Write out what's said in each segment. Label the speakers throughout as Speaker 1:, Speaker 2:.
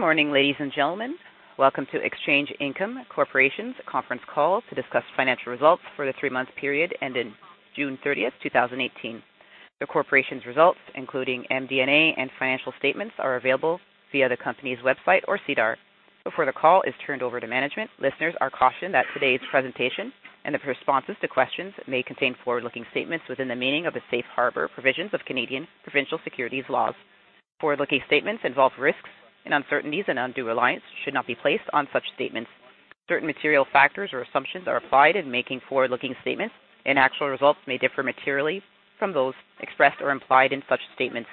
Speaker 1: Good morning, ladies and gentlemen. Welcome to Exchange Income Corporation's conference call to discuss financial results for the three-month period ending June 30, 2018. The corporation's results, including MD&A and financial statements, are available via the company's website or SEDAR. Before the call is turned over to management, listeners are cautioned that today's presentation and the responses to questions may contain forward-looking statements within the meaning of the safe harbor provisions of Canadian provincial securities laws. Forward-looking statements involve risks and uncertainties, and undue reliance should not be placed on such statements. Certain material factors or assumptions are applied in making forward-looking statements, and actual results may differ materially from those expressed or implied in such statements.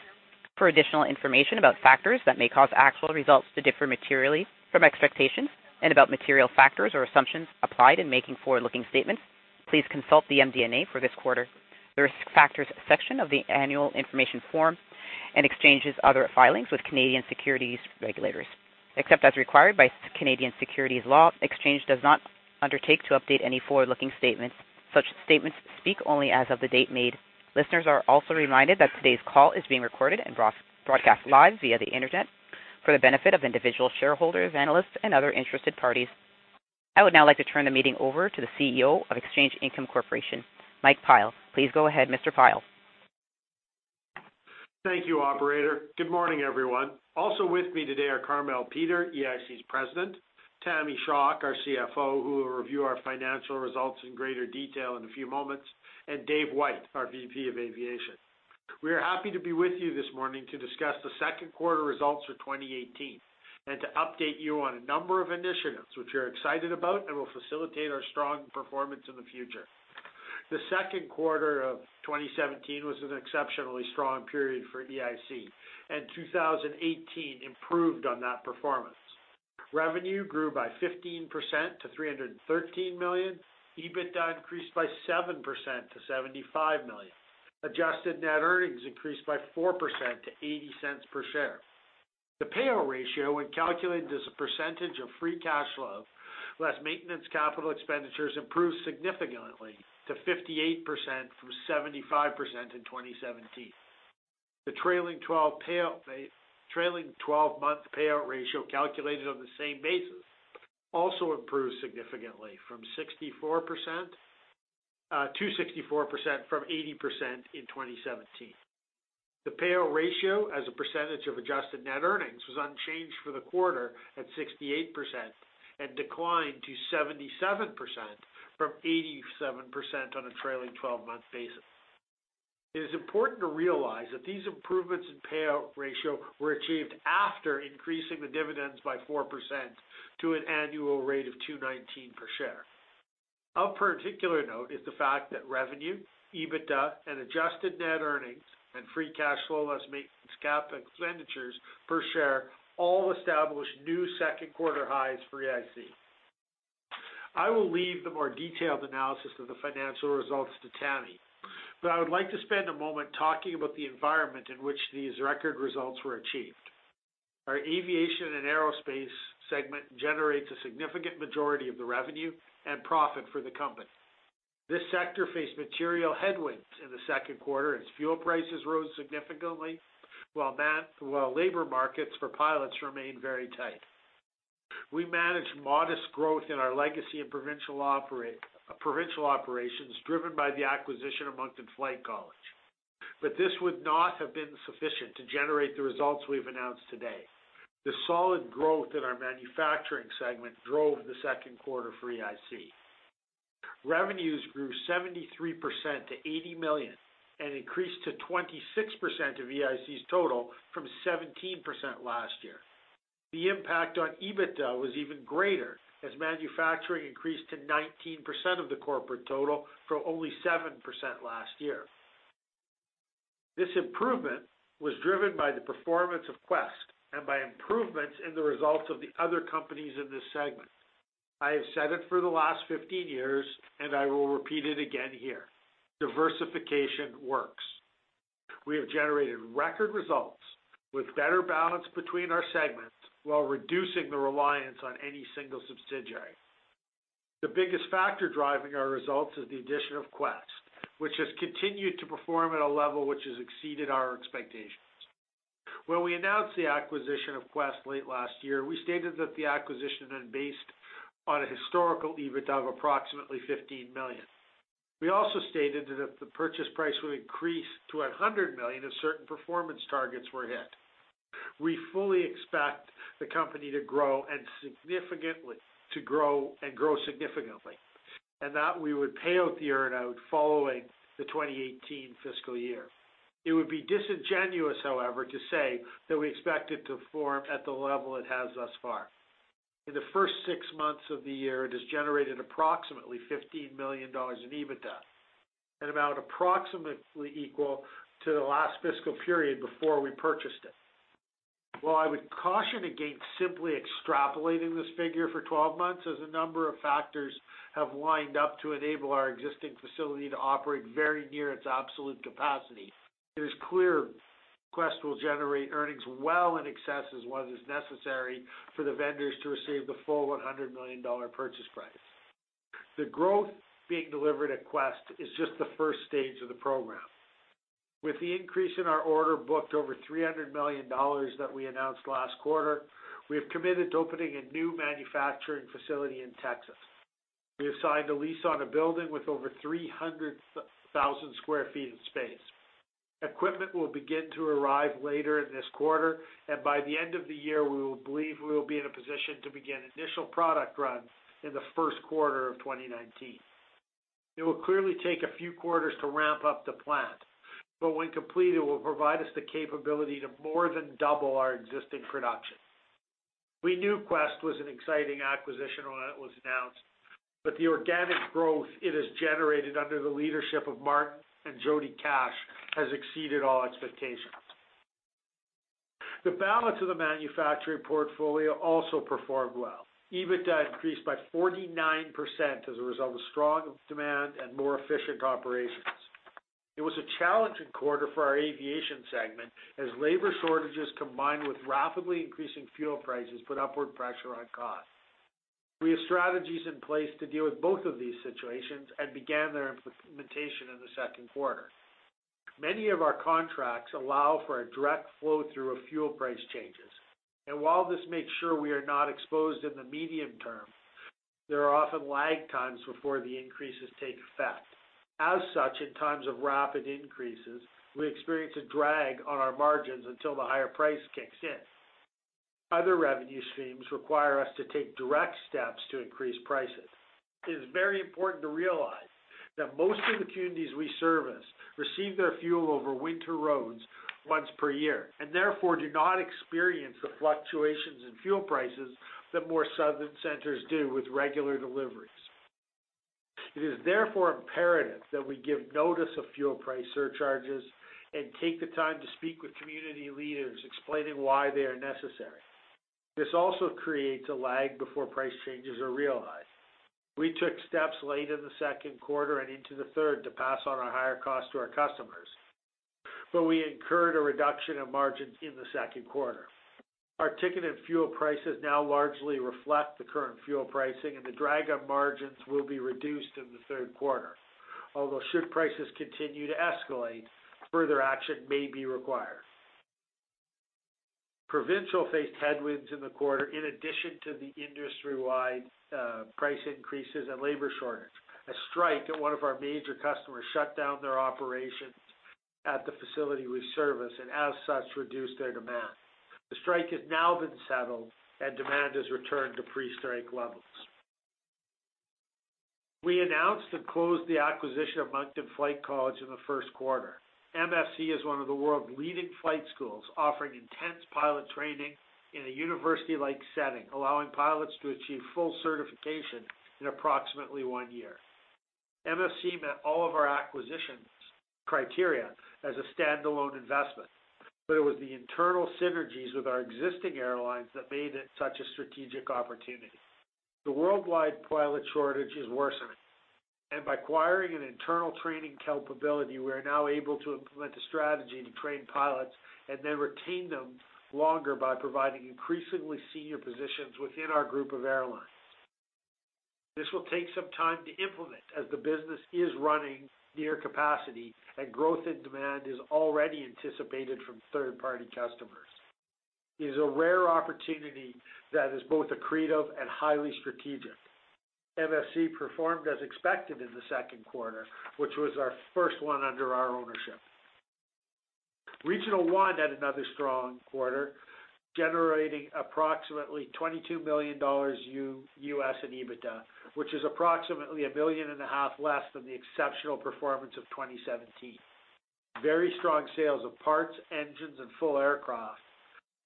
Speaker 1: For additional information about factors that may cause actual results to differ materially from expectations and about material factors or assumptions applied in making forward-looking statements, please consult the MD&A for this quarter. The Risk Factors section of the annual information form and Exchange's other filings with Canadian securities regulators. Except as required by Canadian securities law, Exchange does not undertake to update any forward-looking statements. Such statements speak only as of the date made. Listeners are also reminded that today's call is being recorded and broadcast live via the internet for the benefit of individual shareholders, analysts, and other interested parties. I would now like to turn the meeting over to the CEO of Exchange Income Corporation, Mike Pyle. Please go ahead, Mr. Pyle.
Speaker 2: Thank you, operator. Good morning, everyone. Also with me today are Carmele Peter, EIC's President, Tammy Schock, our CFO, who will review our financial results in greater detail in a few moments, and Dave White, our VP of Aviation. We are happy to be with you this morning to discuss the second quarter results for 2018 and to update you on a number of initiatives which we're excited about and will facilitate our strong performance in the future. The second quarter of 2017 was an exceptionally strong period for EIC, and 2018 improved on that performance. Revenue grew by 15% to 313 million. EBITDA increased by 7% to 75 million. Adjusted net earnings increased by 4% to 0.80 per share. The payout ratio, when calculated as a percentage of free cash flow plus maintenance capital expenditures, improved significantly to 58% from 75% in 2017. The trailing 12-month payout ratio calculated on the same basis also improved significantly to 64% from 80% in 2017. The payout ratio as a percentage of adjusted net earnings was unchanged for the quarter at 68% and declined to 77% from 87% on a trailing 12-month basis. It is important to realize that these improvements in payout ratio were achieved after increasing the dividends by 4% to an annual rate of 2.19 per share. Of particular note is the fact that revenue, EBITDA, and adjusted net earnings and free cash flow less maintenance cap expenditures per share all established new second-quarter highs for EIC. I will leave the more detailed analysis of the financial results to Tammy, but I would like to spend a moment talking about the environment in which these record results were achieved. Our aviation and aerospace segment generates a significant majority of the revenue and profit for the company. This sector faced material headwinds in the second quarter as fuel prices rose significantly, while labor markets for pilots remain very tight. We managed modest growth in our legacy and provincial operations driven by the acquisition of Moncton Flight College. This would not have been sufficient to generate the results we've announced today. The solid growth in our manufacturing segment drove the second quarter for EIC. Revenues grew 73% to 80 million and increased to 26% of EIC's total from 17% last year. The impact on EBITDA was even greater as manufacturing increased to 19% of the corporate total from only 7% last year. This improvement was driven by the performance of Quest and by improvements in the results of the other companies in this segment. I have said it for the last 15 years. I will repeat it again here. Diversification works. We have generated record results with better balance between our segments while reducing the reliance on any single subsidiary. The biggest factor driving our results is the addition of Quest, which has continued to perform at a level which has exceeded our expectations. When we announced the acquisition of Quest late last year, we stated that the acquisition had based on a historical EBITDA of approximately 15 million. We also stated that if the purchase price would increase to 100 million if certain performance targets were hit. We fully expect the company to grow and grow significantly. We would pay out the earn-out following the 2018 fiscal year. It would be disingenuous, however, to say that we expect it to perform at the level it has thus far. In the first six months of the year, it has generated approximately 15 million dollars in EBITDA, an amount approximately equal to the last fiscal period before we purchased it. While I would caution against simply extrapolating this figure for 12 months, as a number of factors have lined up to enable our existing facility to operate very near its absolute capacity, it is clear Quest will generate earnings well in excess as was is necessary for the vendors to receive the full 100 million dollar purchase price. The growth being delivered at Quest is just the first stage of the program. With the increase in our order booked over 300 million dollars that we announced last quarter, we have committed to opening a new manufacturing facility in Texas. We have signed a lease on a building with over 300,000 sq ft of space. Equipment will begin to arrive later in this quarter. By the end of the year, we believe we will be in a position to begin initial product runs in the first quarter of 2019. It will clearly take a few quarters to ramp up the plant. When complete, it will provide us the capability to more than double our existing production. We knew Quest was an exciting acquisition when it was announced. The organic growth it has generated under the leadership of Martin and Jody Cash has exceeded all expectations. The balance of the manufacturing portfolio also performed well. EBITDA increased by 49% as a result of strong demand and more efficient operations. It was a challenging quarter for our aviation segment as labor shortages, combined with rapidly increasing fuel prices, put upward pressure on costs. We have strategies in place to deal with both of these situations and began their implementation in the second quarter. Many of our contracts allow for a direct flow through of fuel price changes. While this makes sure we are not exposed in the medium term, there are often lag times before the increases take effect. As such, in times of rapid increases, we experience a drag on our margins until the higher price kicks in. Other revenue streams require us to take direct steps to increase prices. It is very important to realize that most of the communities we service receive their fuel over winter roads once per year and therefore do not experience the fluctuations in fuel prices that more southern centers do with regular deliveries. It is therefore imperative that we give notice of fuel price surcharges and take the time to speak with community leaders explaining why they are necessary. This also creates a lag before price changes are realized. We took steps late in the second quarter and into the third to pass on our higher cost to our customers, but we incurred a reduction of margins in the second quarter. Our ticket and fuel prices now largely reflect the current fuel pricing, the drag on margins will be reduced in the third quarter. Should prices continue to escalate, further action may be required. Provincial Aerospace faced headwinds in the quarter in addition to the industry-wide price increases and labor shortage. A strike at one of our major customers shut down their operations at the facility we service, as such, reduced their demand. The strike has now been settled, demand has returned to pre-strike levels. We announced and closed the acquisition of Moncton Flight College in the first quarter. MFC is one of the world's leading flight schools, offering intense pilot training in a university-like setting, allowing pilots to achieve full certification in approximately one year. MFC met all of our acquisitions criteria as a standalone investment, it was the internal synergies with our existing airlines that made it such a strategic opportunity. The worldwide pilot shortage is worsening, by acquiring an internal training capability, we are now able to implement a strategy to train pilots and then retain them longer by providing increasingly senior positions within our group of airlines. This will take some time to implement as the business is running near capacity and growth in demand is already anticipated from third-party customers. It is a rare opportunity that is both accretive and highly strategic. MFC performed as expected in the second quarter, which was our first one under our ownership. Regional One had another strong quarter, generating approximately $22 million USD in EBITDA, which is approximately a million and a half less than the exceptional performance of 2017. Very strong sales of parts, engines, and full aircraft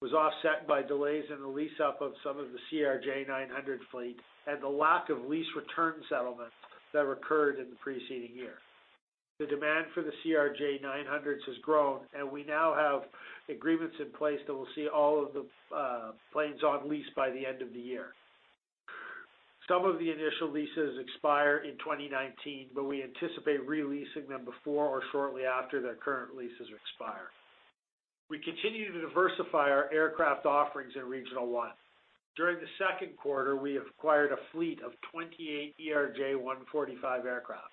Speaker 2: was offset by delays in the lease-up of some of the CRJ-900 fleet and the lack of lease return settlements that occurred in the preceding year. The demand for the CRJ-900s has grown, we now have agreements in place that will see all of the planes on lease by the end of the year. Some of the initial leases expire in 2019, we anticipate re-leasing them before or shortly after their current leases expire. We continue to diversify our aircraft offerings at Regional One. During the second quarter, we acquired a fleet of 28 ERJ-145 aircraft.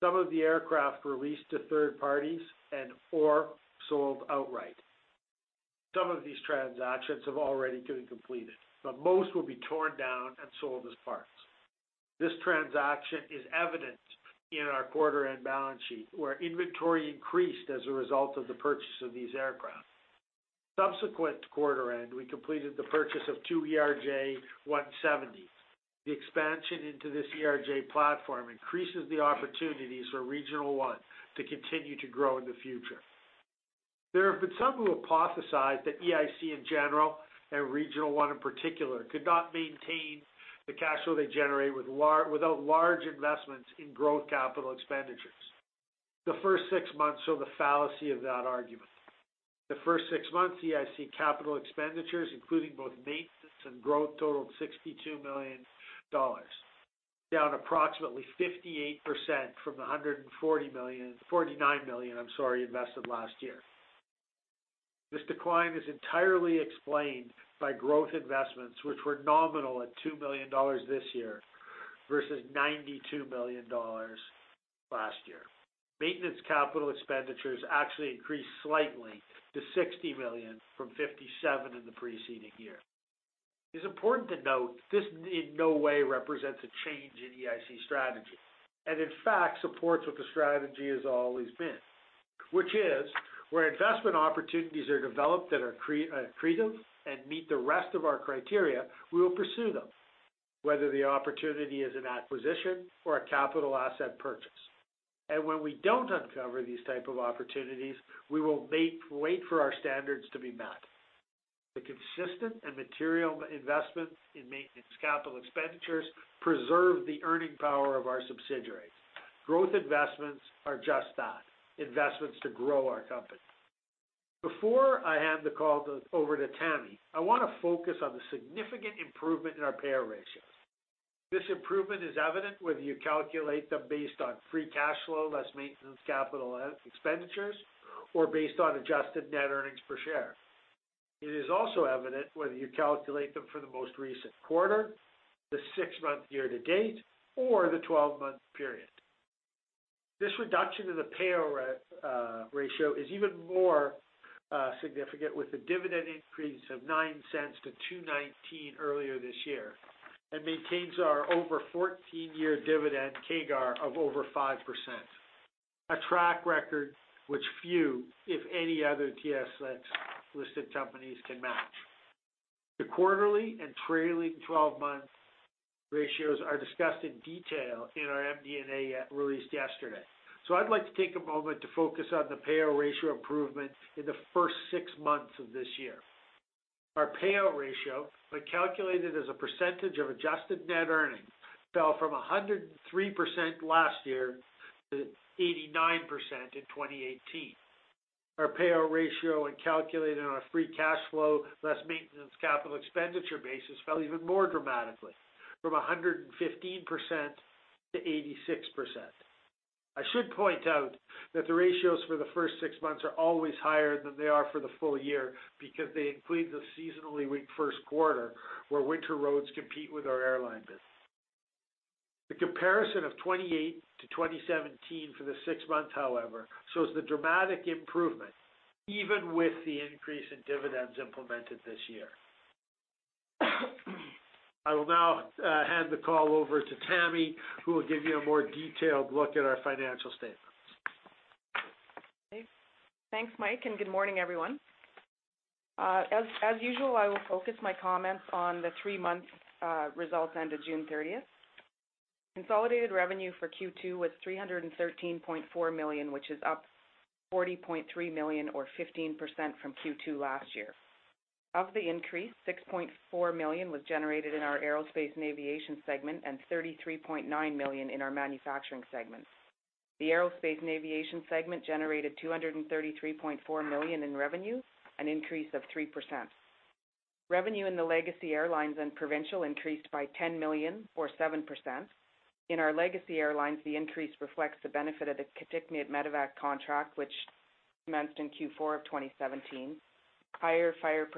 Speaker 2: Some of the aircraft were leased to third parties and/or sold outright. Some of these transactions have already been completed, but most will be torn down and sold as parts. This transaction is evident in our quarter-end balance sheet, where inventory increased as a result of the purchase of these aircraft. Subsequent to quarter end, we completed the purchase of 2 ERJ-170s. The expansion into this ERJ platform increases the opportunities for Regional One to continue to grow in the future. There have been some who hypothesize that EIC in general and Regional One in particular could not maintain the cash flow they generate without large investments in growth capital expenditures. The first six months show the fallacy of that argument. The first six months, EIC capital expenditures, including both maintenance and growth, totaled 62 million dollars, down approximately 58% from the 149 million invested last year. This decline is entirely explained by growth investments, which were nominal at 2 million dollars this year versus 92 million dollars last year. Maintenance capital expenditures actually increased slightly to 60 million from 57 in the preceding year. It is important to note, this in no way represents a change in EIC's strategy, and in fact supports what the strategy has always been. Which is, where investment opportunities are developed that are accretive and meet the rest of our criteria, we will pursue them, whether the opportunity is an acquisition or a capital asset purchase. When we don't uncover these type of opportunities, we will wait for our standards to be met. The consistent and material investment in maintenance capital expenditures preserve the earning power of our subsidiaries. Growth investments are just that, investments to grow our company. Before I hand the call over to Tammy, I want to focus on the significant improvement in our payout ratio. This improvement is evident whether you calculate them based on free cash flow, less maintenance capital expenditures, or based on adjusted net earnings per share. It is also evident whether you calculate them for the most recent quarter, the six-month year to date, or the 12-month period. This reduction in the payout ratio is even more significant with the dividend increase of 0.09 to 2.19 earlier this year, and maintains our over 14-year dividend CAGR of over 5%. A track record which few, if any other TSX listed companies can match. The quarterly and trailing 12-month ratios are discussed in detail in our MD&A released yesterday. I'd like to take a moment to focus on the payout ratio improvement in the first six months of this year. Our payout ratio, when calculated as a percentage of adjusted net earnings, fell from 103% last year to 89% in 2018. Our payout ratio when calculated on a free cash flow, less maintenance capital expenditure basis, fell even more dramatically from 115% to 86%. I should point out that the ratios for the first six months are always higher than they are for the full year because they include the seasonally weak first quarter where winter roads compete with our airline business. The comparison of 2018 to 2017 for the six months, however, shows the dramatic improvement even with the increase in dividends implemented this year. I will now hand the call over to Tammy, who will give you a more detailed look at our financial statements.
Speaker 3: Thanks, Mike, and good morning, everyone. As usual, I will focus my comments on the three-month results ended June 30th. Consolidated revenue for Q2 was 313.4 million, which is up 40.3 million or 15% from Q2 last year. Of the increase, 6.4 million was generated in our aerospace and aviation segment and 33.9 million in our manufacturing segment. The aerospace and aviation segment generated 233.4 million in revenue, an increase of 3%. Revenue in the Legacy Airlines and Provincial increased by 10 million or 7%. In our Legacy Airlines, the increase reflects the benefit of the Kitikmeot medevac contract, which commenced in Q4 of 2017, higher fire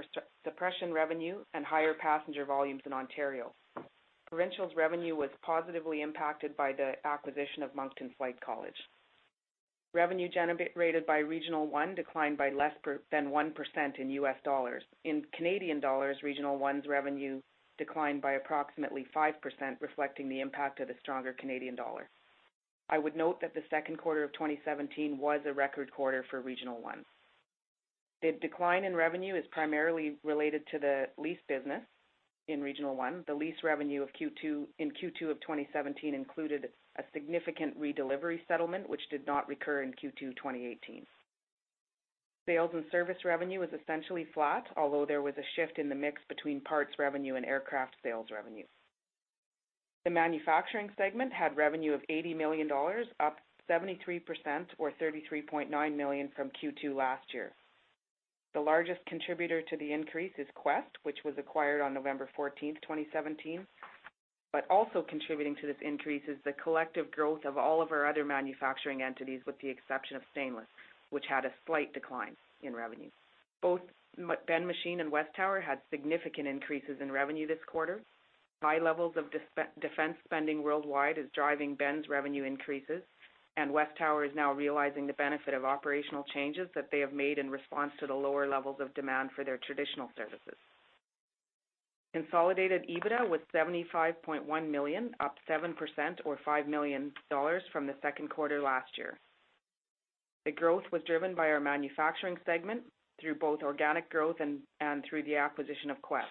Speaker 3: suppression revenue, and higher passenger volumes in Ontario. Provincial's revenue was positively impacted by the acquisition of Moncton Flight College. Revenue generated by Regional One declined by less than 1% in US dollars. In Canadian dollars, Regional One's revenue declined by approximately 5%, reflecting the impact of the stronger Canadian dollar. I would note that the second quarter of 2017 was a record quarter for Regional One. The decline in revenue is primarily related to the lease business in Regional One. The lease revenue in Q2 of 2017 included a significant redelivery settlement, which did not recur in Q2 2018. Sales and service revenue was essentially flat, although there was a shift in the mix between parts revenue and aircraft sales revenue. The manufacturing segment had revenue of 80 million dollars, up 73% or 33.9 million from Q2 last year. The largest contributor to the increase is Quest, which was acquired on November 14th, 2017. Also contributing to this increase is the collective growth of all of our other manufacturing entities, with the exception of Stainless, which had a slight decline in revenue. Both Ben Machine and WesTower had significant increases in revenue this quarter. High levels of defense spending worldwide is driving Ben's revenue increases, and WesTower is now realizing the benefit of operational changes that they have made in response to the lower levels of demand for their traditional services. Consolidated EBITDA was 75.1 million, up 7% or 5 million dollars from the second quarter last year. The growth was driven by our manufacturing segment through both organic growth and through the acquisition of Quest.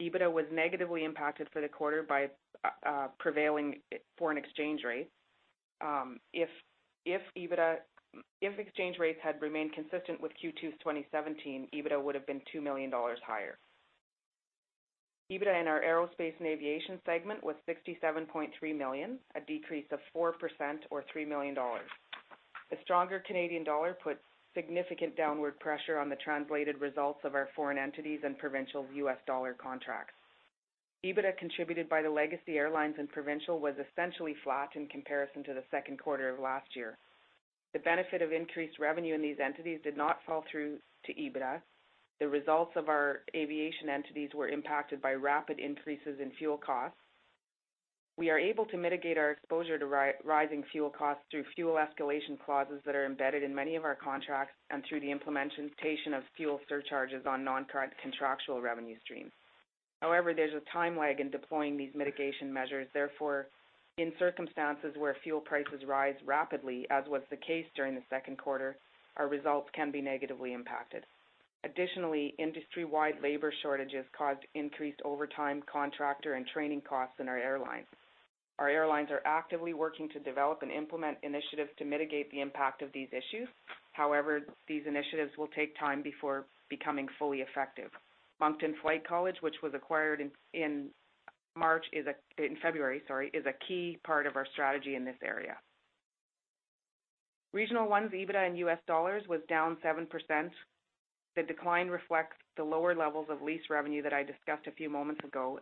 Speaker 3: EBITDA was negatively impacted for the quarter by prevailing foreign exchange rates. If exchange rates had remained consistent with Q2 2017, EBITDA would have been 2 million dollars higher. EBITDA in our aerospace and aviation segment was 67.3 million, a decrease of 4% or 3 million dollars. The stronger Canadian dollar put significant downward pressure on the translated results of our foreign entities and Provincial U.S. dollar contracts. EBITDA contributed by the Legacy Airlines and Provincial was essentially flat in comparison to the second quarter of last year. The benefit of increased revenue in these entities did not fall through to EBITDA. The results of our aviation entities were impacted by rapid increases in fuel costs. We are able to mitigate our exposure to rising fuel costs through fuel escalation clauses that are embedded in many of our contracts and through the implementation of fuel surcharges on non-contractual revenue streams. There is a time lag in deploying these mitigation measures. In circumstances where fuel prices rise rapidly, as was the case during the second quarter, our results can be negatively impacted. Industry-wide labor shortages caused increased overtime, contractor, and training costs in our airlines. Our airlines are actively working to develop and implement initiatives to mitigate the impact of these issues. These initiatives will take time before becoming fully effective. Moncton Flight College, which was acquired in February, is a key part of our strategy in this area. Regional One's EBITDA in U.S. dollars was down 7%. The decline reflects the lower levels of lease revenue that I discussed a few moments ago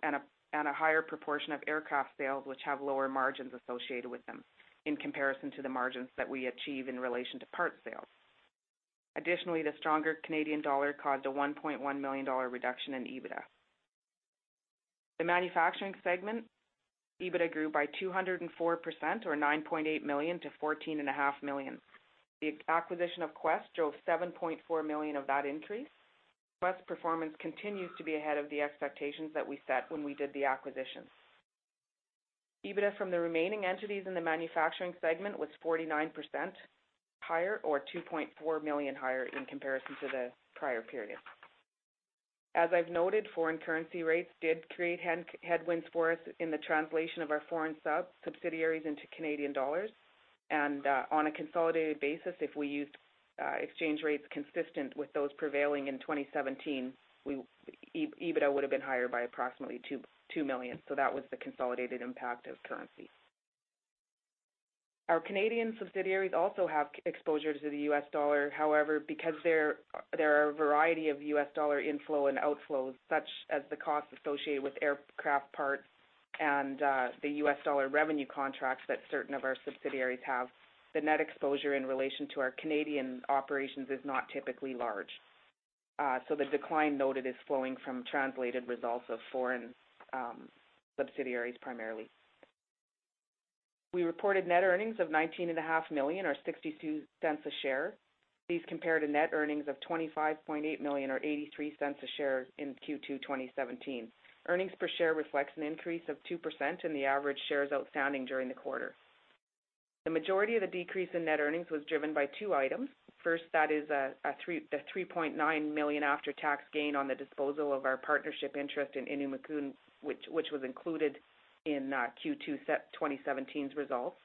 Speaker 3: and a higher proportion of aircraft sales, which have lower margins associated with them in comparison to the margins that we achieve in relation to parts sales. The stronger Canadian dollar caused a 1.1 million dollar reduction in EBITDA. The manufacturing segment EBITDA grew by 204% or 9.8 million to 14.5 million. The acquisition of Quest drove 7.4 million of that increase. Quest performance continues to be ahead of the expectations that we set when we did the acquisition. EBITDA from the remaining entities in the manufacturing segment was 49% higher or 2.4 million higher in comparison to the prior period. As I've noted, foreign currency rates did create headwinds for us in the translation of our foreign subsidiaries into Canadian dollars. On a consolidated basis, if we used exchange rates consistent with those prevailing in 2017, EBITDA would have been higher by approximately 2 million. That was the consolidated impact of currency. Our Canadian subsidiaries also have exposure to the U.S. dollar. Because there are a variety of U.S. dollar inflow and outflows, such as the cost associated with aircraft parts and the U.S. dollar revenue contracts that certain of our subsidiaries have, the net exposure in relation to our Canadian operations is not typically large. The decline noted is flowing from translated results of foreign subsidiaries primarily. We reported net earnings of 19.5 million, or 0.62 a share. These compare to net earnings of 25.8 million or 0.83 a share in Q2 2017. Earnings per share reflects an increase of 2% in the average shares outstanding during the quarter. The majority of the decrease in net earnings was driven by two items. First, that is the 3.9 million after-tax gain on the disposal of our partnership interest in Innu Mikun, which was included in Q2 2017's results.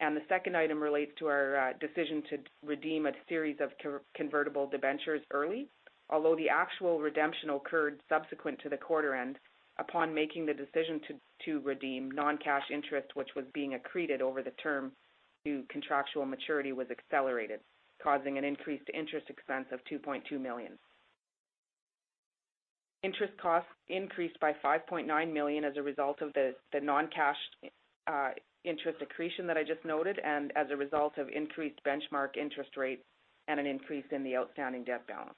Speaker 3: The second item relates to our decision to redeem a series of convertible debentures early. Although the actual redemption occurred subsequent to the quarter end, upon making the decision to redeem non-cash interest, which was being accreted over the term to contractual maturity, was accelerated, causing an increased interest expense of 2.2 million. Interest costs increased by 5.9 million as a result of the non-cash interest accretion that I just noted and as a result of increased benchmark interest rates and an increase in the outstanding debt balance.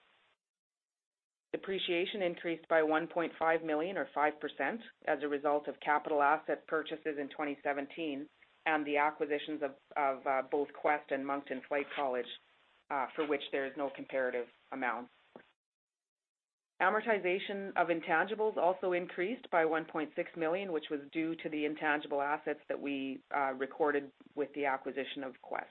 Speaker 3: Depreciation increased by 1.5 million or 5% as a result of capital asset purchases in 2017 and the acquisitions of both Quest and Moncton Flight College, for which there is no comparative amount. Amortization of intangibles also increased by 1.6 million, which was due to the intangible assets that we recorded with the acquisition of Quest.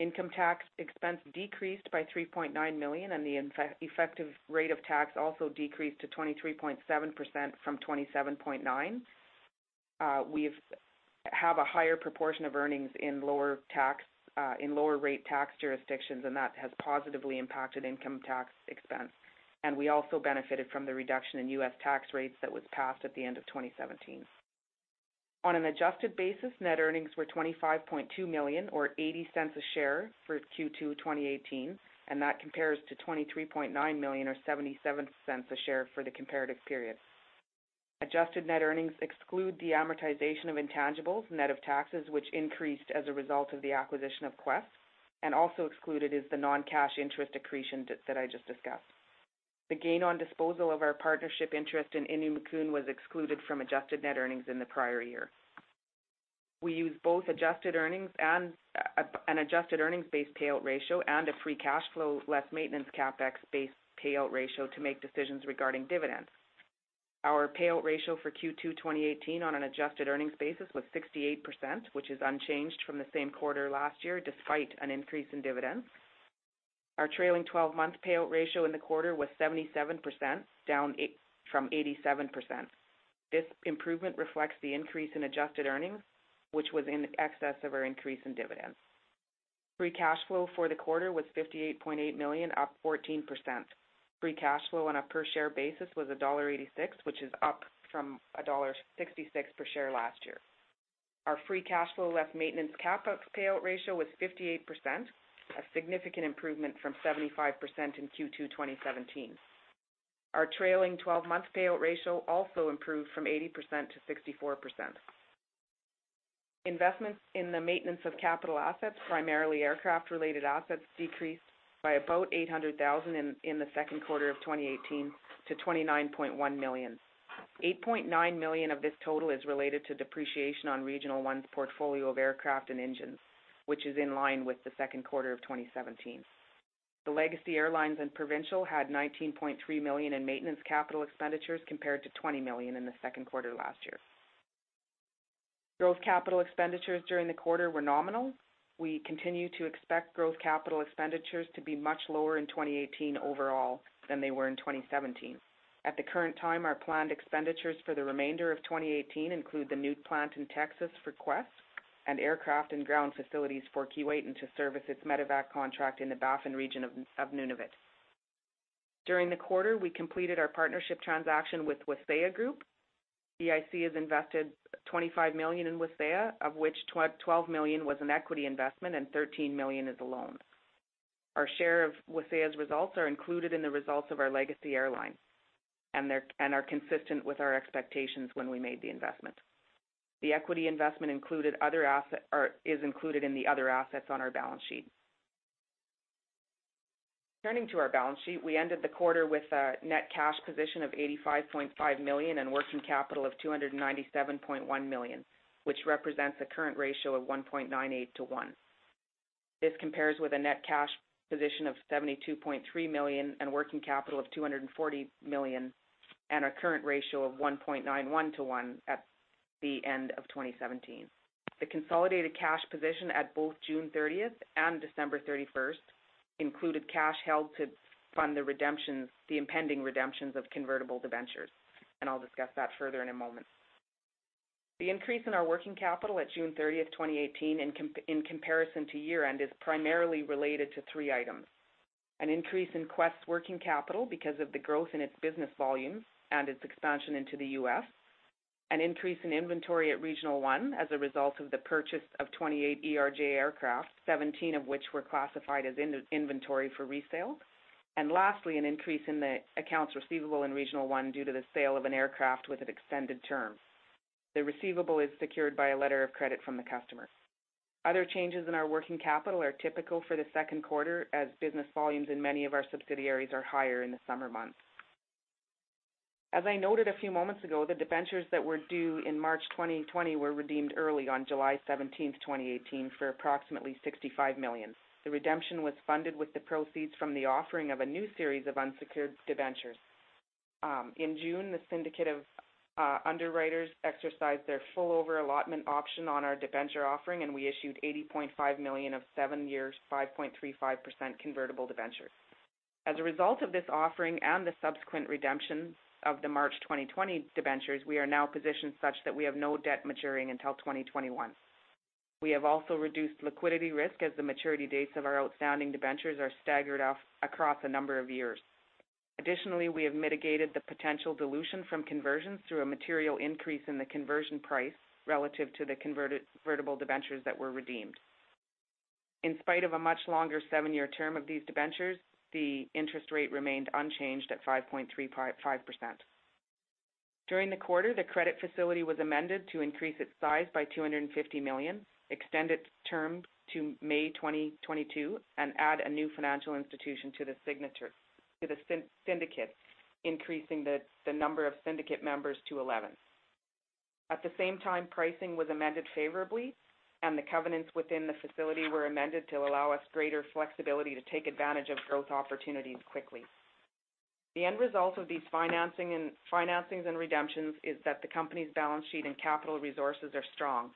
Speaker 3: Income tax expense decreased by 3.9 million and the effective rate of tax also decreased to 23.7% from 27.9%. That has positively impacted income tax expense. We also benefited from the reduction in U.S. tax rates that was passed at the end of 2017. On an adjusted basis, net earnings were 25.2 million or 0.80 a share for Q2 2018. That compares to 23.9 million or 0.77 a share for the comparative period. Adjusted net earnings exclude the amortization of intangibles, net of taxes, which increased as a result of the acquisition of Quest. Also excluded is the non-cash interest accretion that I just discussed. The gain on disposal of our partnership interest in Innu Mikun was excluded from adjusted net earnings in the prior year. We use both an adjusted earnings-based payout ratio and a free cash flow less maintenance CapEx-based payout ratio to make decisions regarding dividends. Our payout ratio for Q2 2018 on an adjusted earnings basis was 68%, which is unchanged from the same quarter last year despite an increase in dividends. Our trailing 12-month payout ratio in the quarter was 77%, down from 87%. This improvement reflects the increase in adjusted earnings, which was in excess of our increase in dividends. Free cash flow for the quarter was 58.8 million, up 14%. Free cash flow on a per-share basis was dollar 1.86, which is up from dollar 1.66 per share last year. Our free cash flow less maintenance CapEx payout ratio was 58%, a significant improvement from 75% in Q2 2017. Our trailing 12-month payout ratio also improved from 80% to 64%. Investments in the maintenance of capital assets, primarily aircraft-related assets, decreased by about 800,000 in the second quarter of 2018 to 29.1 million. 8.9 million of this total is related to depreciation on Regional One's portfolio of aircraft and engines, which is in line with the second quarter of 2017. The Legacy Airlines and Provincial had 19.3 million in maintenance capital expenditures compared to 20 million in the second quarter last year. Growth capital expenditures during the quarter were nominal. We continue to expect growth capital expenditures to be much lower in 2018 overall than they were in 2017. At the current time, our planned expenditures for the remainder of 2018 include the new plant in Texas for Quest and aircraft and ground facilities for Keewatin to service its medevac contract in the Baffin region of Nunavut. During the quarter, we completed our partnership transaction with Wasaya Group. EIC has invested 25 million in Wasaya, of which 12 million was an equity investment and 13 million is a loan. Our share of Wasaya's results are included in the results of our Legacy Airline and are consistent with our expectations when we made the investment. The equity investment is included in the other assets on our balance sheet. Turning to our balance sheet, we ended the quarter with a net cash position of 85.5 million and working capital of 297.1 million, which represents a current ratio of 1.98 to 1. This compares with a net cash position of 72.3 million and a working capital of 240 million and a current ratio of 1.91 to 1 at the end of 2017. The consolidated cash position at both June 30 and December 31 included cash held to fund the impending redemptions of convertible debentures, and I'll discuss that further in a moment. The increase in our working capital at June 30, 2018 in comparison to year-end is primarily related to three items. An increase in Quest working capital because of the growth in its business volumes and its expansion into the U.S. An increase in inventory at Regional One as a result of the purchase of 28 ERJ aircraft, 17 of which were classified as inventory for resale. Lastly, an increase in the accounts receivable in Regional One due to the sale of an aircraft with an extended term. The receivable is secured by a letter of credit from the customer. Other changes in our working capital are typical for the second quarter as business volumes in many of our subsidiaries are higher in the summer months. As I noted a few moments ago, the debentures that were due in March 2020 were redeemed early on July 17, 2018 for approximately 65 million. The redemption was funded with the proceeds from the offering of a new series of unsecured debentures. In June, the syndicate of underwriters exercised their full over allotment option on our debenture offering. We issued 80.5 million of seven years, 5.35% convertible debentures. As a result of this offering and the subsequent redemptions of the March 2020 debentures, we are now positioned such that we have no debt maturing until 2021. We have also reduced liquidity risk as the maturity dates of our outstanding debentures are staggered across a number of years. Additionally, we have mitigated the potential dilution from conversions through a material increase in the conversion price relative to the convertible debentures that were redeemed. In spite of a much longer seven-year term of these debentures, the interest rate remained unchanged at 5.35%. During the quarter, the credit facility was amended to increase its size by 250 million, extend its term to May 2022. Add a new financial institution to the syndicate, increasing the number of syndicate members to 11. At the same time, pricing was amended favorably. The covenants within the facility were amended to allow us greater flexibility to take advantage of growth opportunities quickly. The end result of these financings and redemptions is that the company's balance sheet and capital resources are strong.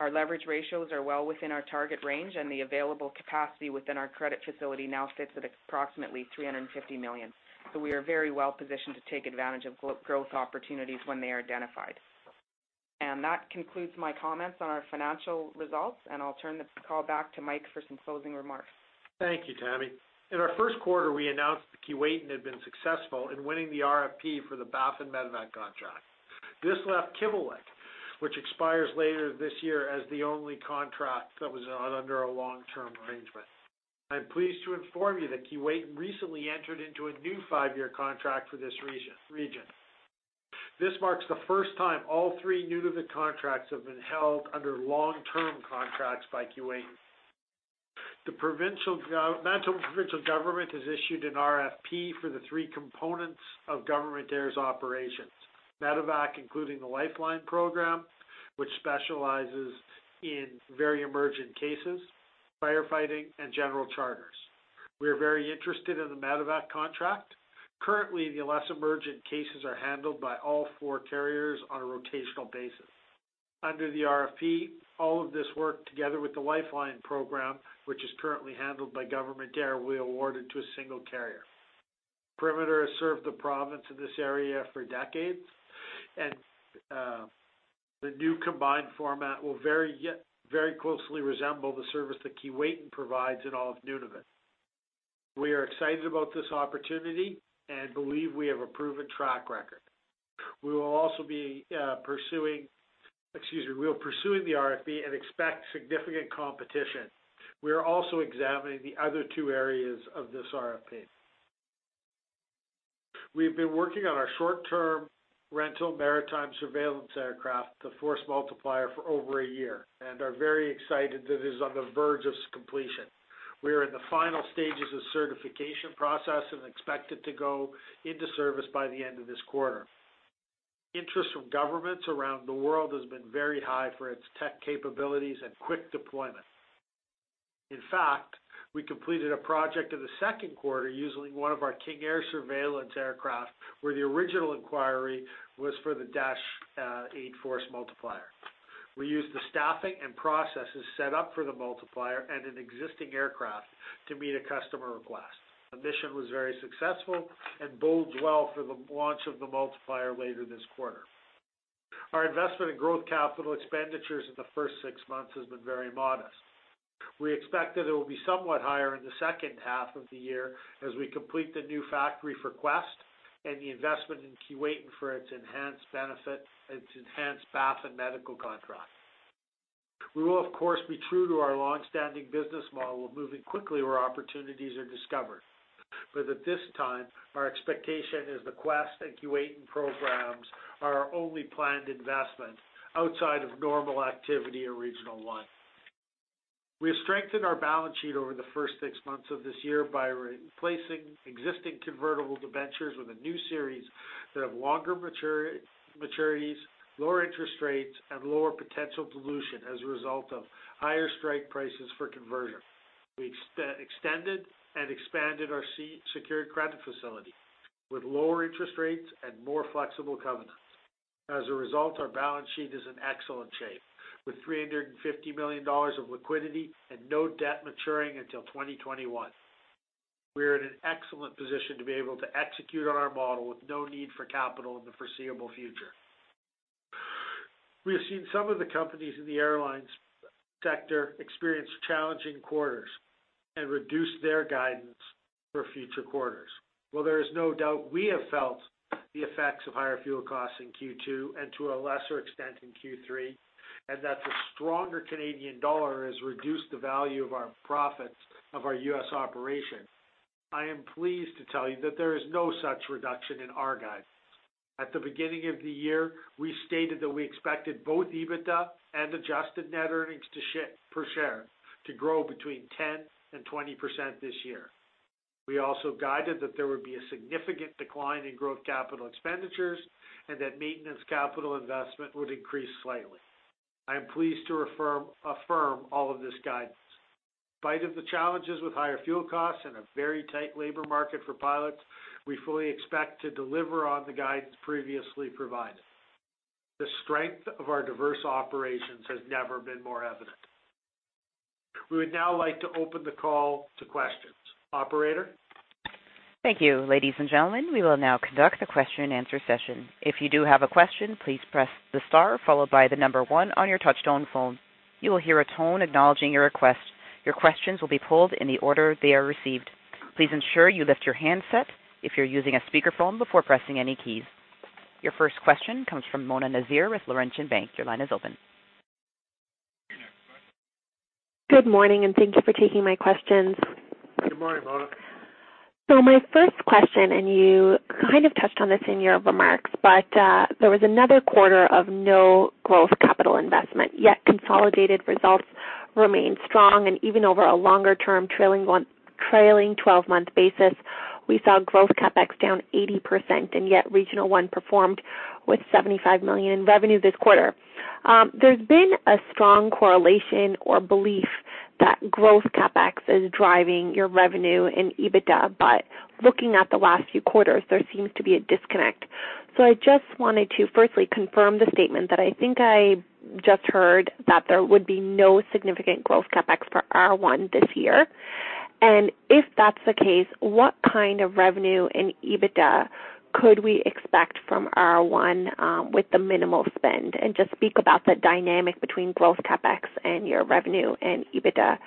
Speaker 3: Our leverage ratios are well within our target range and the available capacity within our credit facility now sits at approximately 350 million. We are very well positioned to take advantage of growth opportunities when they are identified. That concludes my comments on our financial results, and I'll turn this call back to Mike for some closing remarks.
Speaker 2: Thank you, Tammy. In our first quarter, we announced that Keewatin Air had been successful in winning the RFP for the Baffin medevac contract. This left Kivalliq, which expires later this year as the only contract that was under a long-term arrangement. I am pleased to inform you that Keewatin Air recently entered into a new five-year contract for this region. This marks the first time all three Nunavut contracts have been held under long-term contracts by Keewatin Air. The provincial government has issued an RFP for the three components of Government Air's operations: medevac, including the Lifeline program, which specializes in very emergent cases, firefighting, and general charters. We are very interested in the medevac contract. Currently, the less emergent cases are handled by all four carriers on a rotational basis. Under the RFP, all of this work together with the Lifeline program, which is currently handled by Government Air, will be awarded to a single carrier. Perimeter Aviation has served the province in this area for decades, and the new combined format will very closely resemble the service that Keewatin Air provides in all of Nunavut. We are excited about this opportunity and believe we have a proven track record. We will pursue the RFP and expect significant competition. We are also examining the other two areas of this RFP. We have been working on our short-term rental maritime surveillance aircraft, the Force Multiplier, for over a year and are very excited that it is on the verge of completion. We are in the final stages of certification process and expect it to go into service by the end of this quarter. In fact, we completed a project in the second quarter using one of our King Air surveillance aircraft, where the original inquiry was for the Dash 8 Force Multiplier. We used the staffing and processes set up for the multiplier and an existing aircraft to meet a customer request. The mission was very successful and bodes well for the launch of the multiplier later this quarter. Our investment in growth CapEx in the first six months has been very modest. We expect that it will be somewhat higher in the second half of the year as we complete the new factory for Quest Window Systems and the investment in Keewatin Air for its enhanced Baffin medevac contract. At this time, our expectation is the Quest Window Systems and Keewatin Air programs are our only planned investment outside of normal activity or Regional One. We have strengthened our balance sheet over the first six months of this year by replacing existing convertible debentures with a new series that have longer maturities, lower interest rates, and lower potential dilution as a result of higher strike prices for conversion. We extended and expanded our secured credit facility with lower interest rates and more flexible covenants. As a result, our balance sheet is in excellent shape, with 350 million dollars of liquidity and no debt maturing until 2021. We are in an excellent position to be able to execute on our model with no need for capital in the foreseeable future. We have seen some of the companies in the airlines sector experience challenging quarters and reduce their guidance for future quarters. While there is no doubt we have felt the effects of higher fuel costs in Q2, and to a lesser extent in Q3, and that the stronger Canadian dollar has reduced the value of our profits of our U.S. operation. I am pleased to tell you that there is no such reduction in our guidance. At the beginning of the year, we stated that we expected both EBITDA and adjusted net earnings per share to grow between 10% and 20% this year. We also guided that there would be a significant decline in growth capital expenditures and that maintenance capital investment would increase slightly. I am pleased to affirm all of this guidance. In spite of the challenges with higher fuel costs and a very tight labor market for pilots, we fully expect to deliver on the guidance previously provided. The strength of our diverse operations has never been more evident. We would now like to open the call to questions. Operator?
Speaker 1: Thank you. Ladies and gentlemen, we will now conduct the question and answer session. If you do have a question, please press the star followed by the number 1 on your touch-tone phone. You will hear a tone acknowledging your request. Your questions will be pulled in the order they are received. Please ensure you lift your handset if you're using a speakerphone before pressing any keys. Your first question comes from Mona Nazir with Laurentian Bank. Your line is open. Your next question.
Speaker 4: Good morning, thank you for taking my questions.
Speaker 2: Good morning, Mona.
Speaker 4: My first question, you kind of touched on this in your remarks, there was another quarter of no growth capital investment, yet consolidated results remain strong and even over a longer-term trailing 12-month basis, we saw growth CapEx down 80%, yet Regional One performed with 75 million in revenue this quarter. There's been a strong correlation or belief that growth CapEx is driving your revenue and EBITDA, looking at the last few quarters, there seems to be a disconnect. I just wanted to firstly confirm the statement that I think I just heard that there would be no significant growth CapEx for R1 this year. If that's the case, what kind of revenue and EBITDA could we expect from R1 with the minimal spend? Just speak about the dynamic between growth CapEx and your revenue and EBITDA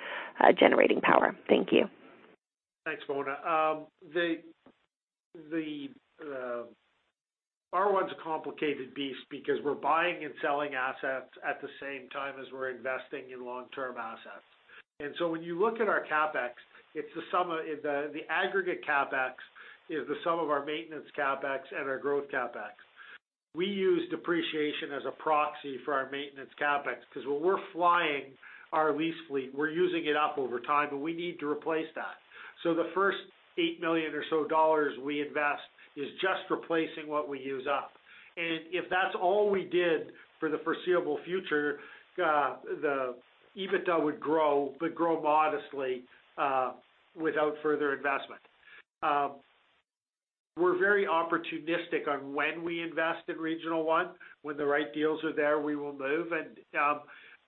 Speaker 4: generating power. Thank you.
Speaker 2: Thanks, Mona. R1's a complicated beast because we're buying and selling assets at the same time as we're investing in long-term assets. When you look at our CapEx, the aggregate CapEx is the sum of our maintenance CapEx and our growth CapEx. We use depreciation as a proxy for our maintenance CapEx because when we're flying our lease fleet, we're using it up over time, and we need to replace that. The first 8 million or so we invest is just replacing what we use up. If that's all we did for the foreseeable future, the EBITDA would grow, but grow modestly without further investment. We're very opportunistic on when we invest in Regional One. When the right deals are there, we will move.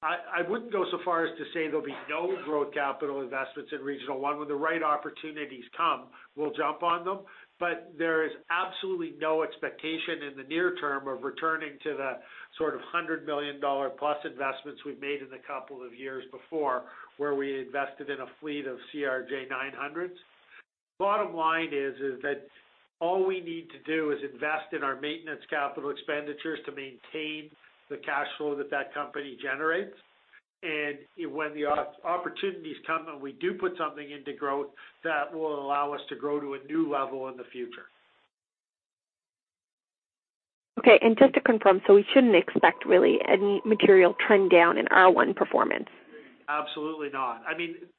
Speaker 2: I wouldn't go so far as to say there'll be no growth capital investments in Regional One. When the right opportunities come, we'll jump on them, but there is absolutely no expectation in the near term of returning to the sort of 100 million dollar plus investments we've made in the couple of years before, where we invested in a fleet of CRJ-900s. Bottom line is that all we need to do is invest in our maintenance CapEx to maintain the cash flow that that company generates. When the opportunities come and we do put something into growth, that will allow us to grow to a new level in the future.
Speaker 4: Okay, just to confirm, we shouldn't expect really any material trend down in R1 performance?
Speaker 2: Absolutely not.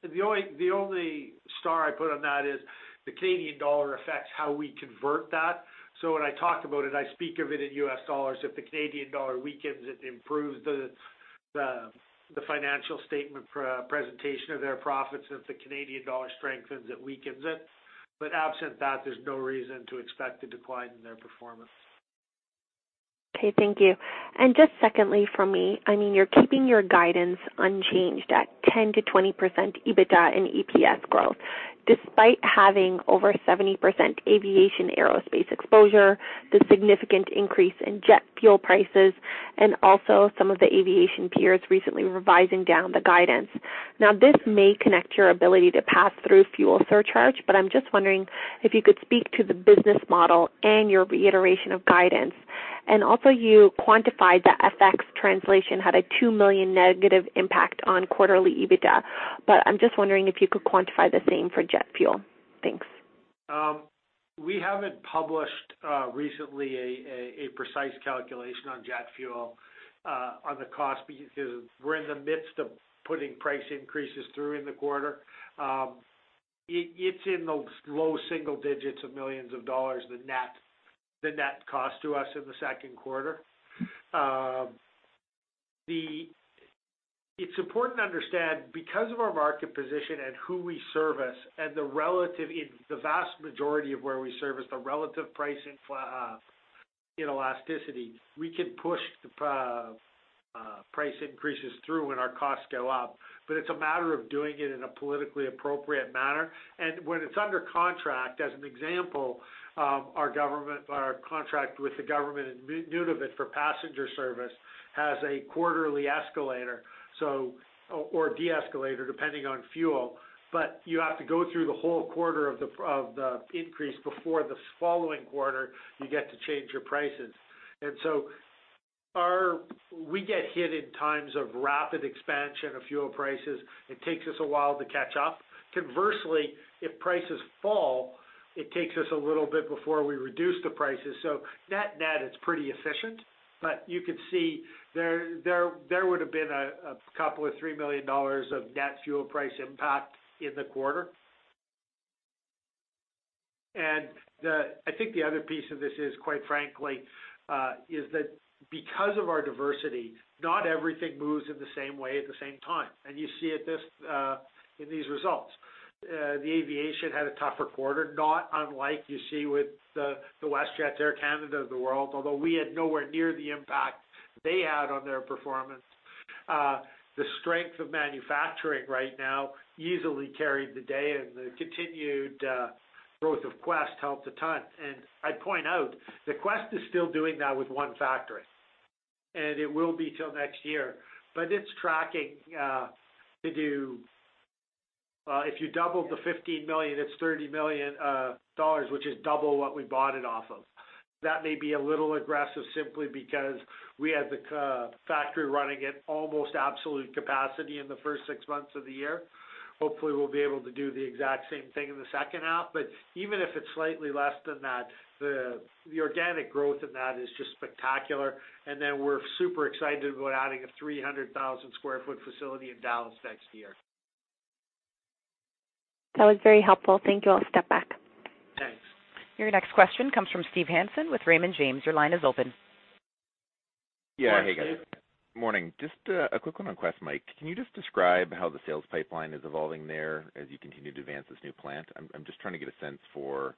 Speaker 2: The only star I put on that is the Canadian dollar affects how we convert that. When I talk about it, I speak of it in USD. If the Canadian dollar weakens, it improves the financial statement presentation of their profits. If the Canadian dollar strengthens, it weakens it. Absent that, there's no reason to expect a decline in their performance.
Speaker 4: Okay, thank you. Just secondly from me, you're keeping your guidance unchanged at 10%-20% EBITDA and EPS growth, despite having over 70% aviation aerospace exposure, the significant increase in jet fuel prices, and also some of the aviation peers recently revising down the guidance. This may connect your ability to pass through fuel surcharge, but I'm just wondering if you could speak to the business model and your reiteration of guidance. Also, you quantified that FX translation had a 2 million negative impact on quarterly EBITDA, but I'm just wondering if you could quantify the same for jet fuel. Thanks.
Speaker 2: We haven't published recently a precise calculation on jet fuel on the cost because we're in the midst of putting price increases through in the quarter. It's in the low single digits of millions dollars, the net cost to us in the second quarter. It's important to understand, because of our market position and who we service and the vast majority of where we service, the relative price inelasticity, we can push the price increases through when our costs go up. It's a matter of doing it in a politically appropriate manner. When it's under contract, as an example, our contract with the government in Nunavut for passenger service has a quarterly escalator or de-escalator depending on fuel, but you have to go through the whole quarter of the increase before the following quarter, you get to change your prices. We get hit in times of rapid expansion of fuel prices. It takes us a while to catch up. Conversely, if prices fall, it takes us a little bit before we reduce the prices. Net-net, it's pretty efficient. You could see there would've been a couple or three million dollars of net fuel price impact in the quarter. I think the other piece of this is, quite frankly, is that because of our diversity, not everything moves in the same way at the same time. You see it in these results. The aviation had a tougher quarter, not unlike you see with the WestJet, Air Canada of the world, although we had nowhere near the impact they had on their performance. The strength of manufacturing right now easily carried the day and the continued growth of Quest helped a ton. I'd point out that Quest is still doing that with one factory, and it will be till next year, but it's tracking to do If you double the 15 million, it's 30 million dollars, which is double what we bought it off of. That may be a little aggressive simply because we had the factory running at almost absolute capacity in the first six months of the year. Hopefully, we'll be able to do the exact same thing in the second half, but even if it's slightly less than that, the organic growth in that is just spectacular. We're super excited about adding a 300,000 sq ft facility in Dallas next year.
Speaker 4: That was very helpful. Thank you. I'll step back.
Speaker 2: Thanks.
Speaker 1: Your next question comes from Steve Hansen with Raymond James. Your line is open.
Speaker 2: Morning, Steve.
Speaker 5: Yeah. Hey, guys. Morning. Just a quick one on Quest, Mike. Can you just describe how the sales pipeline is evolving there as you continue to advance this new plant? I'm just trying to get a sense for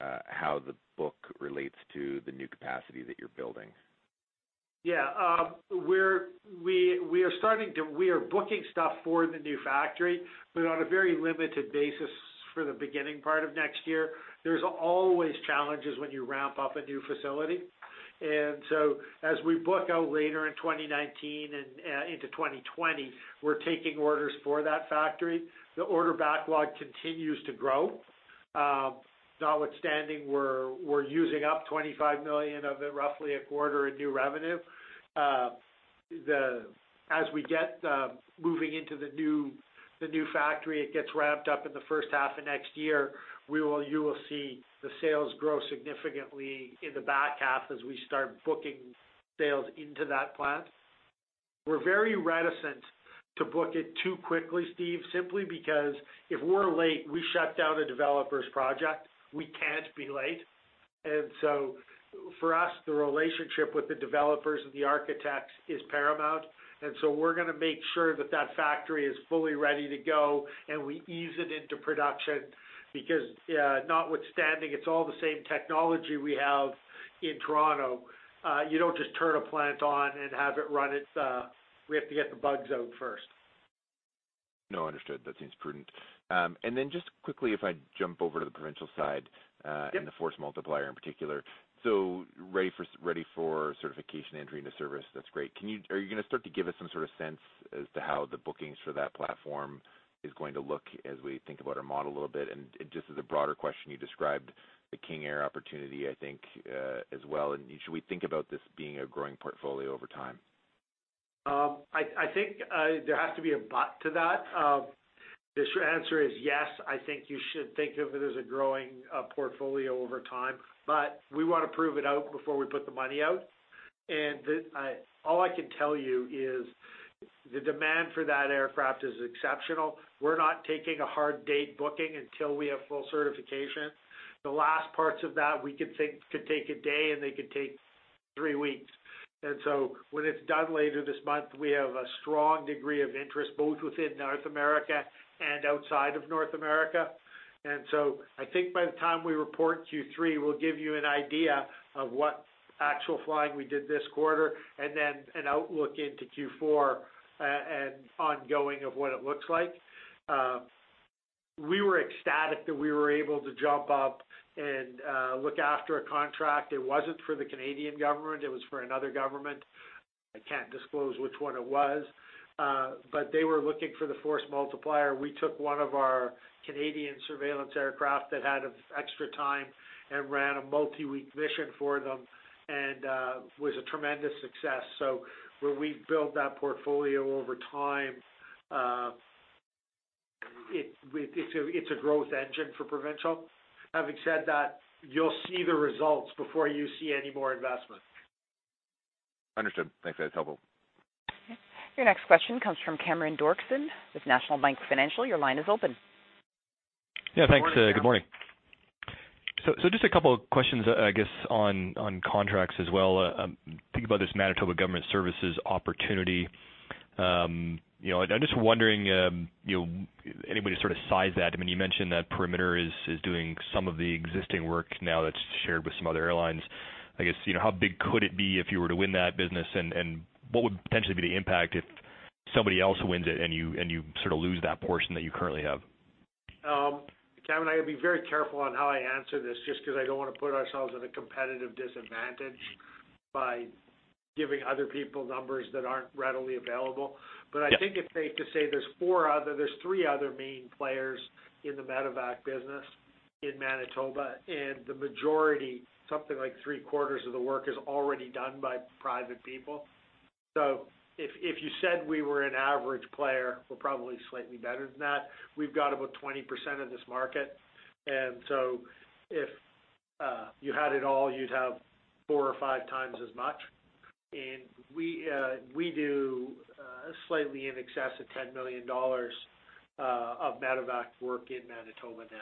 Speaker 5: how the book relates to the new capacity that you're building.
Speaker 2: Yeah. We are booking stuff for the new factory, but on a very limited basis for the beginning part of next year. There's always challenges when you ramp up a new facility. As we book out later in 2019 and into 2020, we're taking orders for that factory. The order backlog continues to grow. Notwithstanding, we're using up 25 million of it, roughly a quarter in new revenue. As we get moving into the new factory, it gets ramped up in the first half of next year, you will see the sales grow significantly in the back half as we start booking sales into that plant. We're very reticent to book it too quickly, Steve, simply because if we're late, we shut down a developer's project. We can't be late. For us, the relationship with the developers and the architects is paramount. We're going to make sure that that factory is fully ready to go and we ease it into production because notwithstanding it's all the same technology we have in Toronto, you don't just turn a plant on and have it run. We have to get the bugs out first.
Speaker 5: No, understood. That seems prudent. Just quickly, if I jump over to the Provincial side-
Speaker 2: Yep
Speaker 5: The Force Multiplier in particular. Ready for certification entry into service. That's great. Are you going to start to give us some sort of sense as to how the bookings for that platform is going to look as we think about our model a little bit? Just as a broader question, you described the King Air opportunity, I think, as well, and should we think about this being a growing portfolio over time?
Speaker 2: I think there has to be a but to that. The short answer is yes, I think you should think of it as a growing portfolio over time, but we want to prove it out before we put the money out. All I can tell you is the demand for that aircraft is exceptional. We're not taking a hard date booking until we have full certification. The last parts of that, we could think could take a day, and they could take three weeks. When it's done later this month, we have a strong degree of interest both within North America and outside of North America. I think by the time we report Q3, we'll give you an idea of what actual flying we did this quarter and then an outlook into Q4 and ongoing of what it looks like. We were ecstatic that we were able to jump up and look after a contract. It wasn't for the Canadian government, it was for another government. I can't disclose which one it was. They were looking for the Force Multiplier. We took one of our Canadian surveillance aircraft that had extra time and ran a multi-week mission for them and was a tremendous success. Where we build that portfolio over time, it's a growth engine for Provincial. Having said that, you'll see the results before you see any more investment.
Speaker 5: Understood. Thanks. That's helpful.
Speaker 1: Your next question comes from Cameron Doerksen with National Bank Financial. Your line is open.
Speaker 2: Good morning, Cameron.
Speaker 6: Yeah, thanks. Good morning. Just a couple of questions, I guess, on contracts as well. Thinking about this Manitoba Government Air Services opportunity, I am just wondering, anybody sort of size that? You mentioned that Perimeter is doing some of the existing work now that is shared with some other airlines. I guess, how big could it be if you were to win that business, and what would potentially be the impact if somebody else wins it and you sort of lose that portion that you currently have?
Speaker 2: Cameron, I am going to be very careful on how I answer this, just because I do not want to put ourselves at a competitive disadvantage by giving other people numbers that are not readily available.
Speaker 6: Yeah.
Speaker 2: I think it is safe to say there are four other, there are three other main players in the medevac business in Manitoba. The majority, something like three-quarters of the work is already done by private people. If you said we were an average player, we are probably slightly better than that. We have got about 20% of this market. If you had it all, you would have four or five times as much. We do slightly in excess of 10 million dollars of medevac work in Manitoba now.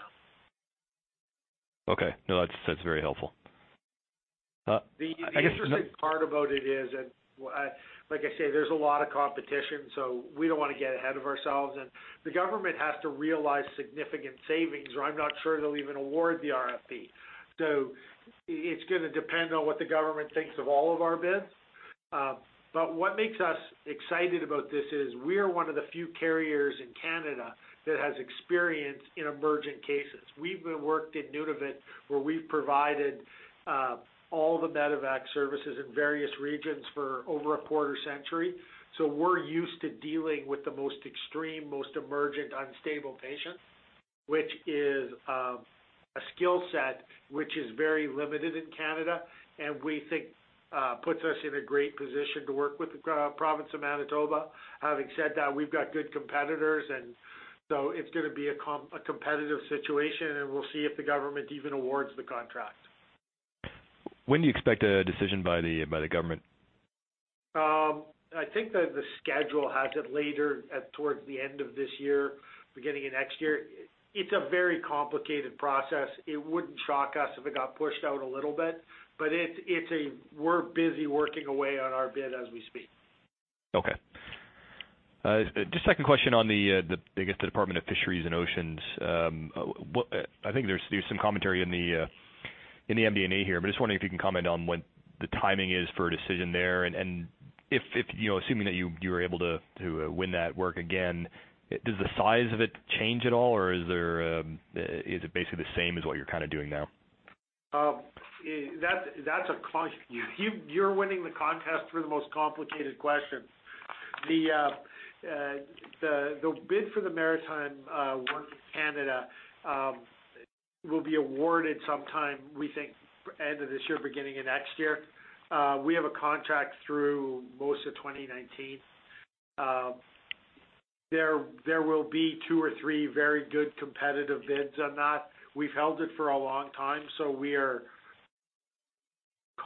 Speaker 6: Okay. No, that is very helpful.
Speaker 2: The interesting part about it is, like I say, there's a lot of competition, so we don't want to get ahead of ourselves, and the government has to realize significant savings, or I'm not sure they'll even award the RFP. It's going to depend on what the government thinks of all of our bids. What makes us excited about this is we're one of the few carriers in Canada that has experience in emergent cases. We've worked in Nunavut, where we've provided all the medevac services in various regions for over a quarter century, so we're used to dealing with the most extreme, most emergent, unstable patients, which is a skill set which is very limited in Canada and we think puts us in a great position to work with the province of Manitoba. Having said that, we've got good competitors. It's going to be a competitive situation. We'll see if the government even awards the contract.
Speaker 6: When do you expect a decision by the government?
Speaker 2: I think that the schedule has it later, towards the end of this year, beginning of next year. It's a very complicated process. It wouldn't shock us if it got pushed out a little bit, but we're busy working away on our bid as we speak.
Speaker 6: Okay. Just second question on the, I guess the Department of Fisheries and Oceans. I think there's some commentary in the MD&A here, I'm just wondering if you can comment on when the timing is for a decision there, and assuming that you were able to win that work again, does the size of it change at all, or is it basically the same as what you're doing now?
Speaker 2: You're winning the contest for the most complicated question. The bid for the Maritime Work Canada will be awarded sometime, we think end of this year, beginning of next year. We have a contract through most of 2019. There will be two or three very good competitive bids on that. We've held it for a long time, so we're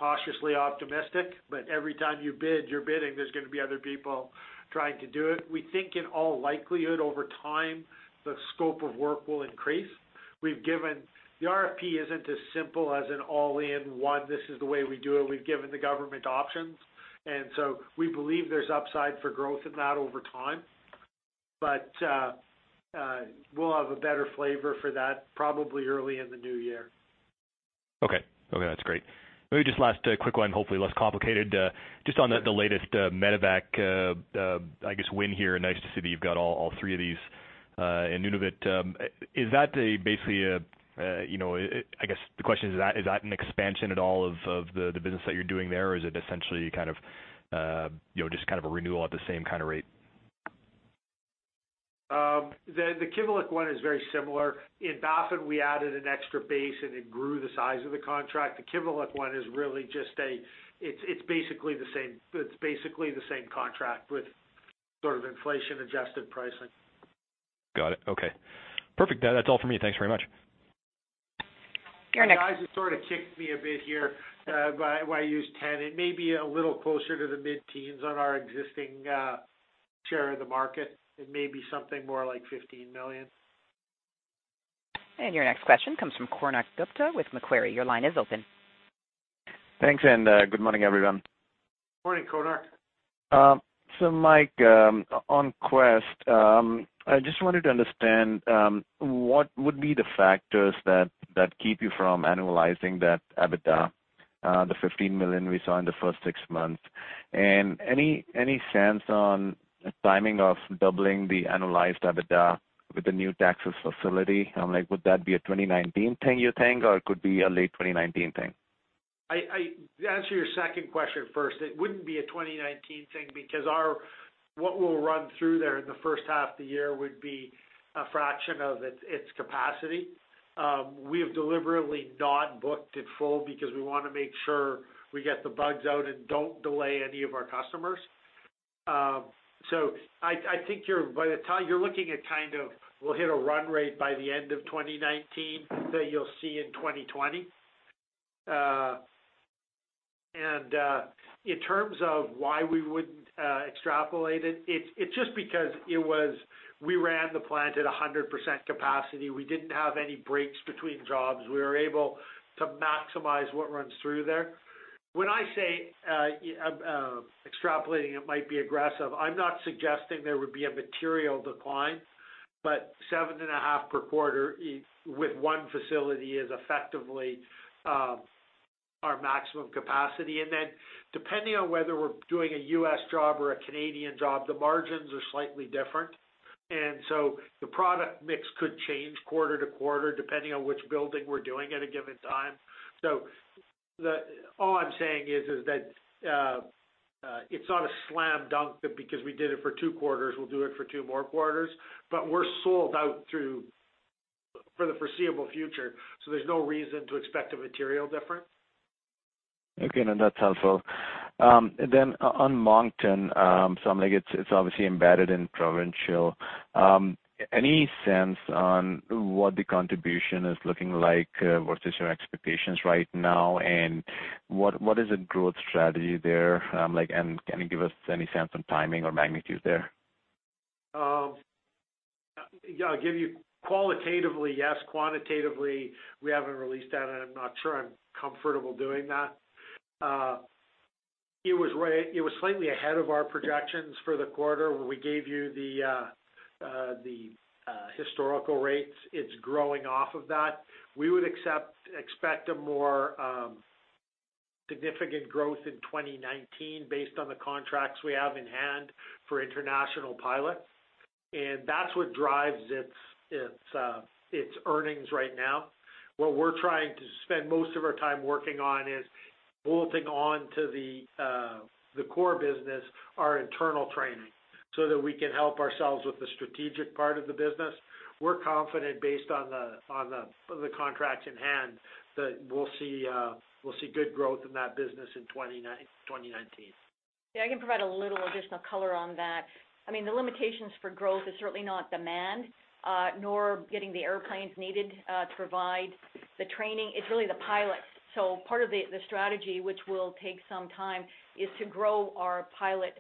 Speaker 2: cautiously optimistic, but every time you bid, you're bidding there's going to be other people trying to do it. We think in all likelihood over time, the scope of work will increase. The RFP isn't as simple as an all in one, this is the way we do it. We've given the government options, and so we believe there's upside for growth in that over time. We'll have a better flavor for that probably early in the new year.
Speaker 6: Okay. That's great. Maybe just last quick one, hopefully less complicated. Just on the latest medevac, I guess, win here. Nice to see that you've got all three of these in Nunavut. I guess the question is that an expansion at all of the business that you're doing there, or is it essentially just kind of a renewal at the same kind of rate?
Speaker 2: The Kivalliq one is very similar. In Baffin, we added an extra base, and it grew the size of the contract. The Kivalliq one, it's basically the same contract with sort of inflation-adjusted pricing.
Speaker 6: Got it. Okay. Perfect. That's all for me. Thanks very much.
Speaker 1: Your next-
Speaker 2: The guys have sort of kicked me a bit here. Why use 10? It may be a little closer to the mid-teens on our existing share of the market. It may be something more like 15 million.
Speaker 1: Your next question comes from Konark Gupta with Macquarie. Your line is open.
Speaker 7: Thanks, good morning, everyone.
Speaker 2: Morning, Konark.
Speaker 7: Mike, on Quest, I just wanted to understand, what would be the factors that keep you from annualizing that EBITDA, the 15 million we saw in the first six months? Any sense on the timing of doubling the annualized EBITDA with the new Texas facility? Would that be a 2019 thing, you think, or it could be a late 2019 thing?
Speaker 2: I answer your second question first. It wouldn't be a 2019 thing because what we'll run through there in the first half of the year would be a fraction of its capacity. We have deliberately not booked it full because we want to make sure we get the bugs out and don't delay any of our customers. I think you're looking at kind of, we'll hit a run rate by the end of 2019 that you'll see in 2020. In terms of why we wouldn't extrapolate it's just because we ran the plant at 100% capacity. We didn't have any breaks between jobs. We were able to maximize what runs through there. When I say extrapolating it might be aggressive, I'm not suggesting there would be a material decline, but seven and a half per quarter with one facility is effectively our maximum capacity. Depending on whether we're doing a U.S. job or a Canadian job, the margins are slightly different. The product mix could change quarter to quarter, depending on which building we're doing at a given time. All I'm saying is that it's not a slam dunk that because we did it for two quarters, we'll do it for two more quarters, but we're sold out for the foreseeable future, there's no reason to expect a material difference.
Speaker 7: Okay, that's helpful. On Moncton, it's obviously embedded in Provincial. Any sense on what the contribution is looking like? What is your expectations right now, and what is the growth strategy there? Can you give us any sense on timing or magnitude there?
Speaker 2: I'll give you qualitatively, yes. Quantitatively, we haven't released that, and I'm not sure I'm comfortable doing that. It was slightly ahead of our projections for the quarter when we gave you the historical rates. It's growing off of that. We would expect a more significant growth in 2019 based on the contracts we have in hand for international pilots. That's what drives its earnings right now. What we're trying to spend most of our time working on is bolting on to the core business our internal training so that we can help ourselves with the strategic part of the business. We're confident based on the contracts in hand, that we'll see good growth in that business in 2019.
Speaker 8: I can provide a little additional color on that. The limitations for growth is certainly not demand, nor getting the airplanes needed to provide the training. It's really the pilots. Part of the strategy, which will take some time, is to grow our pilot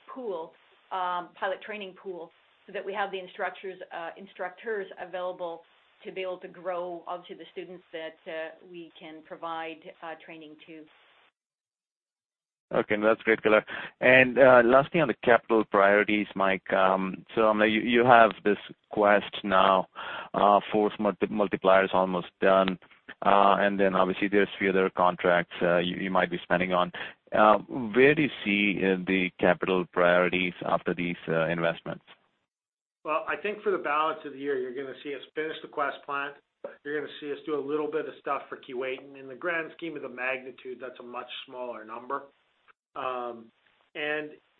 Speaker 8: training pool so that we have the instructors available to be able to grow up to the students that we can provide training to.
Speaker 7: Okay, that's great, Carmele. Last thing on the capital priorities, Mike. You have this Quest now, Force Multiplier is almost done. Then obviously there's few other contracts you might be spending on. Where do you see the capital priorities after these investments?
Speaker 2: I think for the balance of the year, you're going to see us finish the Quest plant. You're going to see us do a little bit of stuff for Keewatin. In the grand scheme of the magnitude, that's a much smaller number.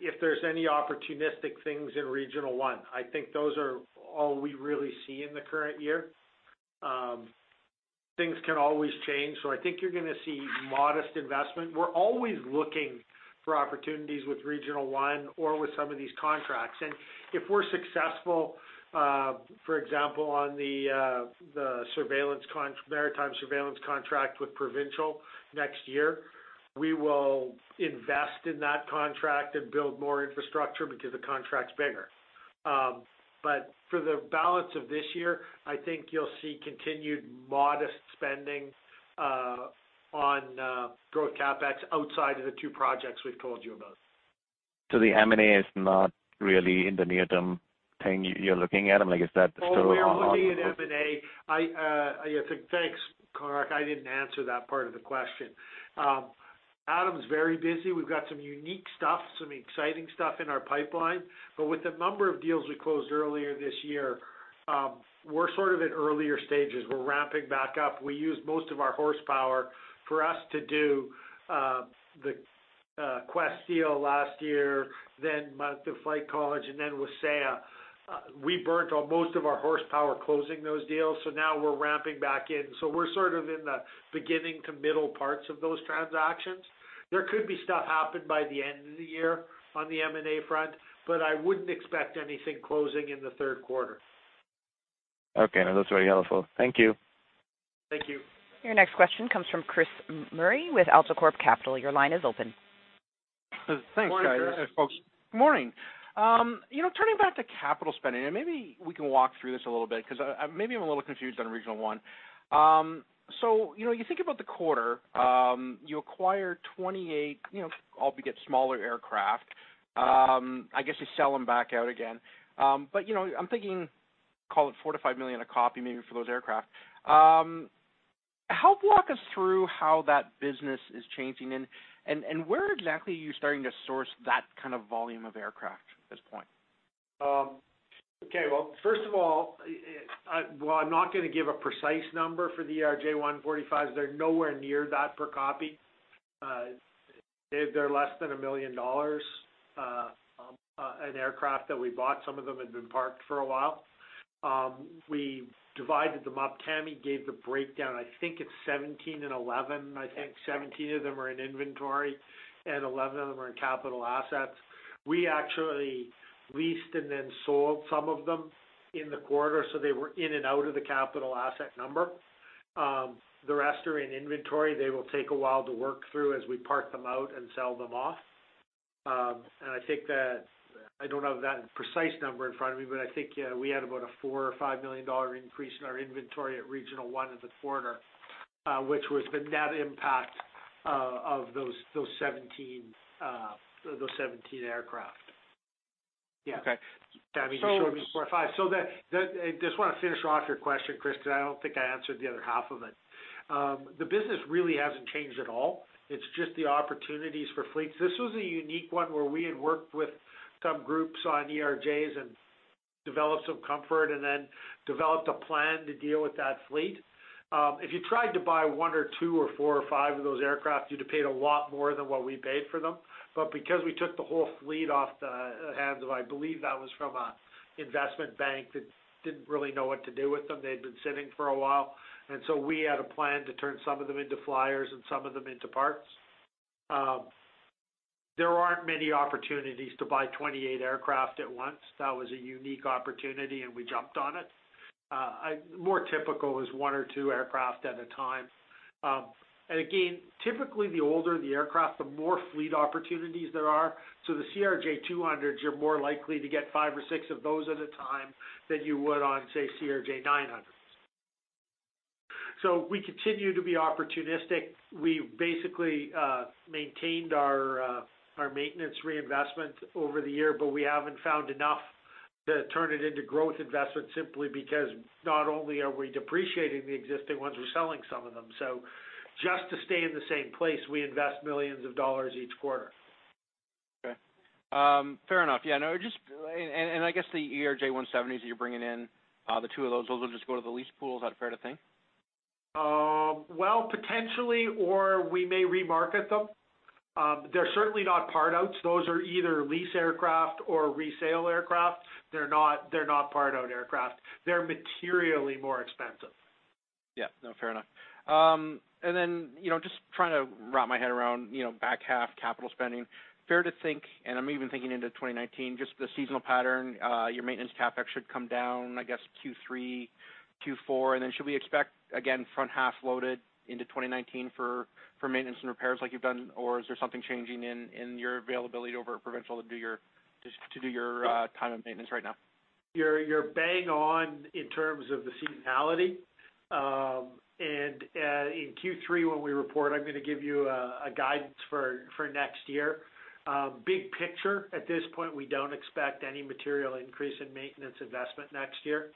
Speaker 2: If there's any opportunistic things in Regional One, I think those are all we really see in the current year. Things can always change, I think you're going to see modest investment. We're always looking for opportunities with Regional One or with some of these contracts. If we're successful, for example, on the maritime surveillance contract with Provincial next year, we will invest in that contract and build more infrastructure because the contract's bigger. For the balance of this year, I think you'll see continued modest spending on CapEx outside of the two projects we've told you about.
Speaker 7: The M&A is not really in the near term thing you're looking at, is that still on?
Speaker 2: We are looking at M&A. Thanks, Konark. I didn't answer that part of the question. Adam's very busy. We've got some unique stuff, some exciting stuff in our pipeline. With the number of deals we closed earlier this year, we're sort of at earlier stages. We're ramping back up. We used most of our horsepower for us to do the Quest deal last year, then the Flight College, then Wasaya. We burnt most of our horsepower closing those deals. Now we're ramping back in. We're sort of in the beginning to middle parts of those transactions. There could be stuff happen by the end of the year on the M&A front, but I wouldn't expect anything closing in the third quarter.
Speaker 7: Okay. No, that's very helpful. Thank you.
Speaker 2: Thank you.
Speaker 1: Your next question comes from Chris Murray with AltaCorp Capital. Your line is open.
Speaker 9: Thanks, guys.
Speaker 2: Morning, Chris
Speaker 9: folks. Morning. Turning back to capital spending, maybe we can walk through this a little bit, because maybe I'm a little confused on Regional One. You think about the quarter, you acquire 28 smaller aircraft. I guess you sell them back out again. I'm thinking, call it 4 million-5 million a copy maybe for those aircraft. Help walk us through how that business is changing and where exactly are you starting to source that kind of volume of aircraft at this point?
Speaker 2: Okay, well, first of all, while I'm not going to give a precise number for the ERJ-145s, they're nowhere near that per copy. They're less than 1 million dollars an aircraft that we bought. Some of them had been parked for a while. We divided them up. Tammy gave the breakdown, I think it's 17 and 11. I think 17 of them are in inventory and 11 of them are in capital assets. We actually leased and then sold some of them in the quarter, so they were in and out of the capital asset number. The rest are in inventory. They will take a while to work through as we park them out and sell them off. I think that I don't have that precise number in front of me, but I think we had about a 4 million or 5 million dollar increase in our inventory at Regional One in the quarter, which was the net impact of those 17 aircraft.
Speaker 9: Okay.
Speaker 2: [Tammy has] showed me four or five. I just want to finish off your question, Chris, because I don't think I answered the other half of it. The business really hasn't changed at all. It's just the opportunities for fleets. This was a unique one where we had worked with some groups on ERJs and developed some comfort and then developed a plan to deal with that fleet. If you tried to buy one or two or four or five of those aircraft, you'd have paid a lot more than what we paid for them. Because we took the whole fleet off the hands of, I believe that was from an investment bank that didn't really know what to do with them. They'd been sitting for a while, we had a plan to turn some of them into flyers and some of them into parts. There aren't many opportunities to buy 28 aircraft at once. That was a unique opportunity, we jumped on it. More typical is one or two aircraft at a time. Again, typically the older the aircraft, the more fleet opportunities there are. The CRJ200s, you're more likely to get five or six of those at a time than you would on, say, CRJ900s. We continue to be opportunistic. We basically maintained our maintenance reinvestment over the year, we haven't found enough to turn it into growth investment simply because not only are we depreciating the existing ones, we're selling some of them. Just to stay in the same place, we invest millions of dollars each quarter.
Speaker 9: Okay. Fair enough. I guess the ERJ170s you're bringing in, the two of those will just go to the lease pools. Is that fair to think?
Speaker 2: Well, potentially, or we may remarket them. They're certainly not part-outs. Those are either lease aircraft or resale aircraft. They're not part-out aircraft. They're materially more expensive.
Speaker 9: Yeah. No, fair enough. Just trying to wrap my head around back half capital spending. Fair to think, I'm even thinking into 2019, just the seasonal pattern, your maintenance CapEx should come down, I guess, Q3, Q4. Should we expect, again, front half loaded into 2019 for maintenance and repairs like you've done? Or is there something changing in your availability over Provincial to do your time and maintenance right now?
Speaker 2: You're bang on in terms of the seasonality. In Q3 when we report, I'm going to give you a guidance for next year. Big picture, at this point, we don't expect any material increase in maintenance investment next year.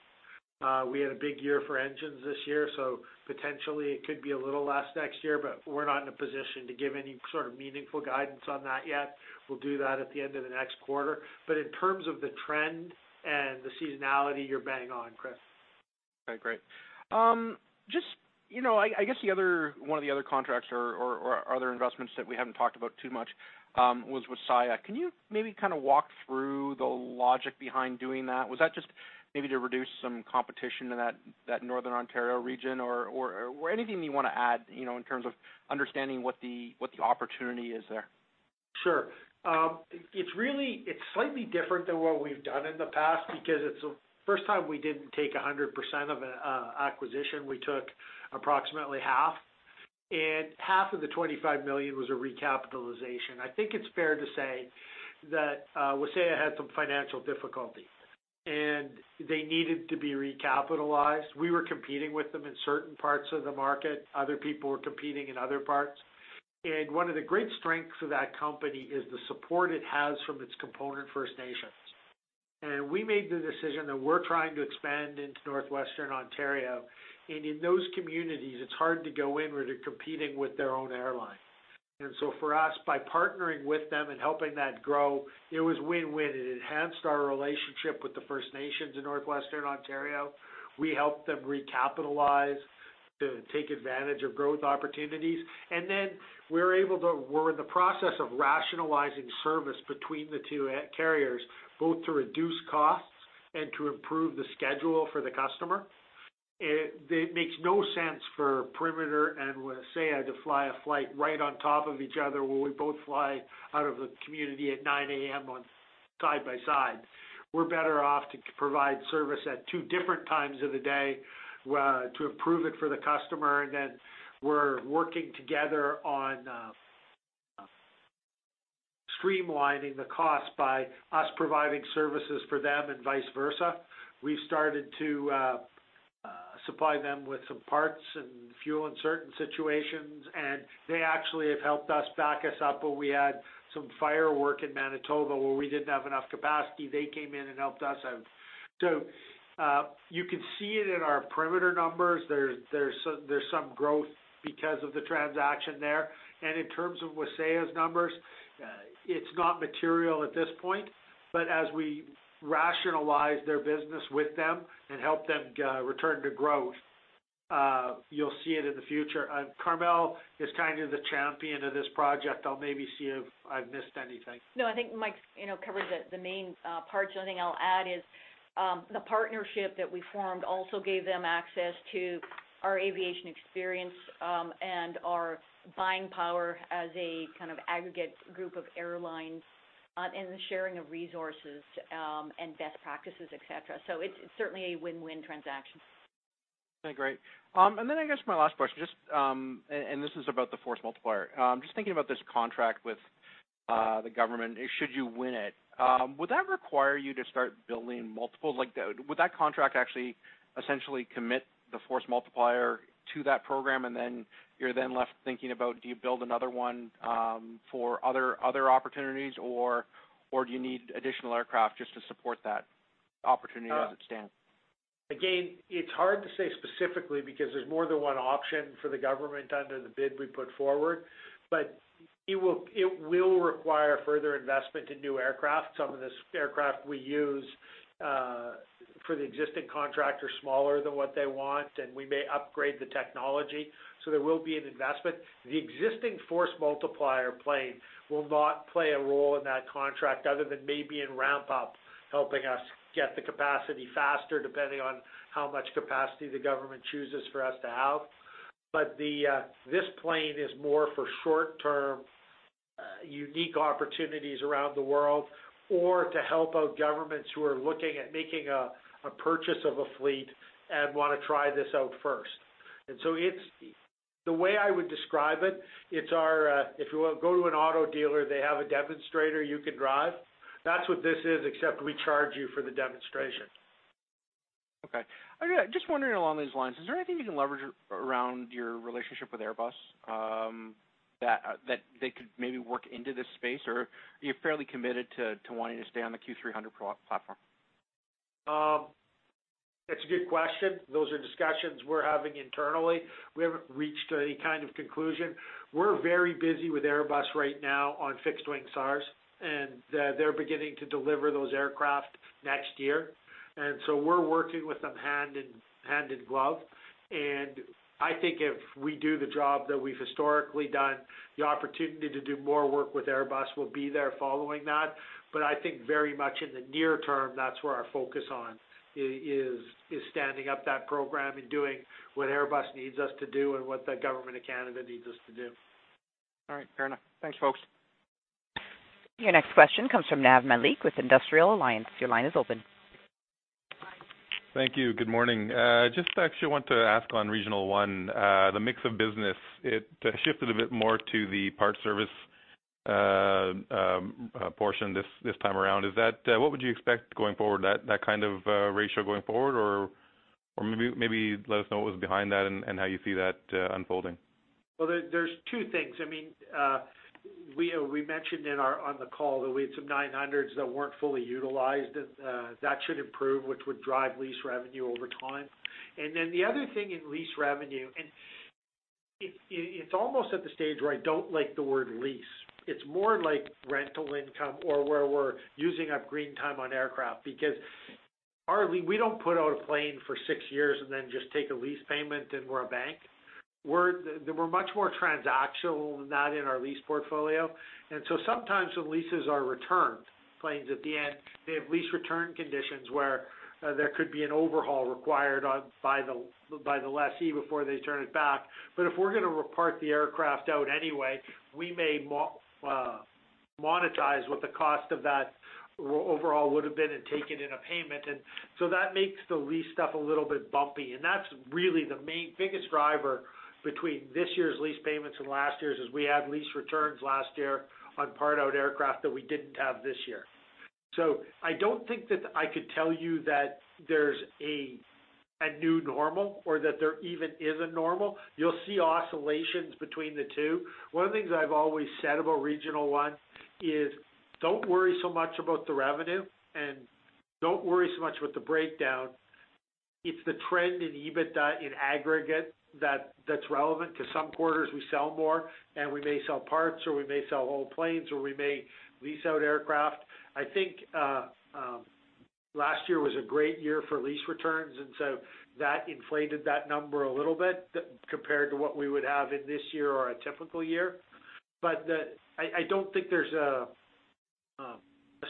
Speaker 2: We had a big year for engines this year, so potentially it could be a little less next year, but we're not in a position to give any sort of meaningful guidance on that yet. We'll do that at the end of the next quarter. In terms of the trend and the seasonality, you're bang on, Chris.
Speaker 9: Okay, great. I guess one of the other contracts or other investments that we haven't talked about too much was with Wasaya. Can you maybe walk through the logic behind doing that? Was that just maybe to reduce some competition in that Northern Ontario region or anything you want to add, in terms of understanding what the opportunity is there?
Speaker 2: Sure. It's slightly different than what we've done in the past because it's the first time we didn't take 100% of an acquisition. We took approximately half of the 25 million was a recapitalization. I think it's fair to say that Wasaya had some financial difficulty. They needed to be recapitalized. We were competing with them in certain parts of the market. Other people were competing in other parts. One of the great strengths of that company is the support it has from its component First Nations. We made the decision that we're trying to expand into Northwestern Ontario. In those communities, it's hard to go in where they're competing with their own airline. For us, by partnering with them and helping that grow, it was win-win. It enhanced our relationship with the First Nations in Northwestern Ontario. We helped them recapitalize to take advantage of growth opportunities. We're in the process of rationalizing service between the two carriers, both to reduce costs and to improve the schedule for the customer. It makes no sense for Perimeter Aviation and Wasaya to fly a flight right on top of each other, where we both fly out of the community at 9:00 A.M. side by side. We're better off to provide service at two different times of the day to improve it for the customer. We're working together on streamlining the cost by us providing services for them and vice versa. We've started to supply them with some parts and fuel in certain situations, and they actually have helped us back us up when we had some fire work in Manitoba where we didn't have enough capacity. They came in and helped us out. You can see it in our Perimeter numbers. There's some growth because of the transaction there. In terms of Wasaya's numbers, it's not material at this point, but as we rationalize their business with them and help them return to growth, you'll see it in the future. Carmele is kind of the champion of this project. I'll maybe see if I've missed anything.
Speaker 8: I think Mike covered the main parts. The only thing I'll add is the partnership that we formed also gave them access to our aviation experience and our buying power as a kind of aggregate group of airlines and the sharing of resources and best practices, et cetera. It's certainly a win-win transaction.
Speaker 9: I guess my last question, this is about the Force Multiplier. Just thinking about this contract with the government, should you win it, would that require you to start building multiples? Would that contract actually essentially commit the Force Multiplier to that program and you're then left thinking about, do you build another one for other opportunities, or do you need additional aircraft just to support that opportunity as it stands?
Speaker 2: It's hard to say specifically because there's more than one option for the government under the bid we put forward. It will require further investment in new aircraft. Some of this aircraft we use for the existing contract are smaller than what they want, and we may upgrade the technology, so there will be an investment. The existing Force Multiplier plane will not play a role in that contract other than maybe in ramp up, helping us get the capacity faster, depending on how much capacity the government chooses for us to have. This plane is more for short-term, unique opportunities around the world or to help out governments who are looking at making a purchase of a fleet and want to try this out first. The way I would describe it, if you go to an auto dealer, they have a demonstrator you can drive. That's what this is, except we charge you for the demonstration.
Speaker 9: Okay. Just wondering along these lines, is there anything you can leverage around your relationship with Airbus that they could maybe work into this space? Or are you fairly committed to wanting to stay on the Q300 platform?
Speaker 2: That's a good question. Those are discussions we're having internally. We haven't reached any kind of conclusion. We're very busy with Airbus right now on fixed-wing STARS, and they're beginning to deliver those aircraft next year. We're working with them hand in glove. I think if we do the job that we've historically done, the opportunity to do more work with Airbus will be there following that. I think very much in the near term, that's where our focus on is standing up that program and doing what Airbus needs us to do and what the Government of Canada needs us to do.
Speaker 9: All right. Fair enough. Thanks, folks.
Speaker 1: Your next question comes from Nav Malik with Industrial Alliance. Your line is open.
Speaker 10: Thank you. Good morning. Just actually want to ask on Regional One, the mix of business, it shifted a bit more to the parts service portion this time around. What would you expect going forward, that kind of ratio going forward? Or maybe let us know what was behind that and how you see that unfolding.
Speaker 2: Well, there's two things. We mentioned on the call that we had some 900s that weren't fully utilized. That should improve, which would drive lease revenue over time. The other thing in lease revenue, and it's almost at the stage where I don't like the word lease. It's more like rental income or where we're using up green time on aircraft because we don't put out a plane for six years and then just take a lease payment and we're a bank. We're much more transactional than that in our lease portfolio. Sometimes the leases are returned planes at the end. They have lease return conditions where there could be an overhaul required by the lessee before they turn it back. If we're going to part the aircraft out anyway, we may monetize what the cost of that overall would've been and taken in a payment. That makes the lease stuff a little bit bumpy, and that's really the main biggest driver between this year's lease payments and last year's, is we had lease returns last year on powered aircraft that we didn't have this year. I don't think that I could tell you that there's a new normal or that there even is a normal. You'll see oscillations between the two. One of the things I've always said about Regional One is don't worry so much about the revenue and don't worry so much with the breakdown. It's the trend in EBITDA in aggregate that's relevant, because some quarters we sell more, and we may sell parts, or we may sell whole planes, or we may lease out aircraft. I think last year was a great year for lease returns, and that inflated that number a little bit compared to what we would have in this year or a typical year. I don't think there's a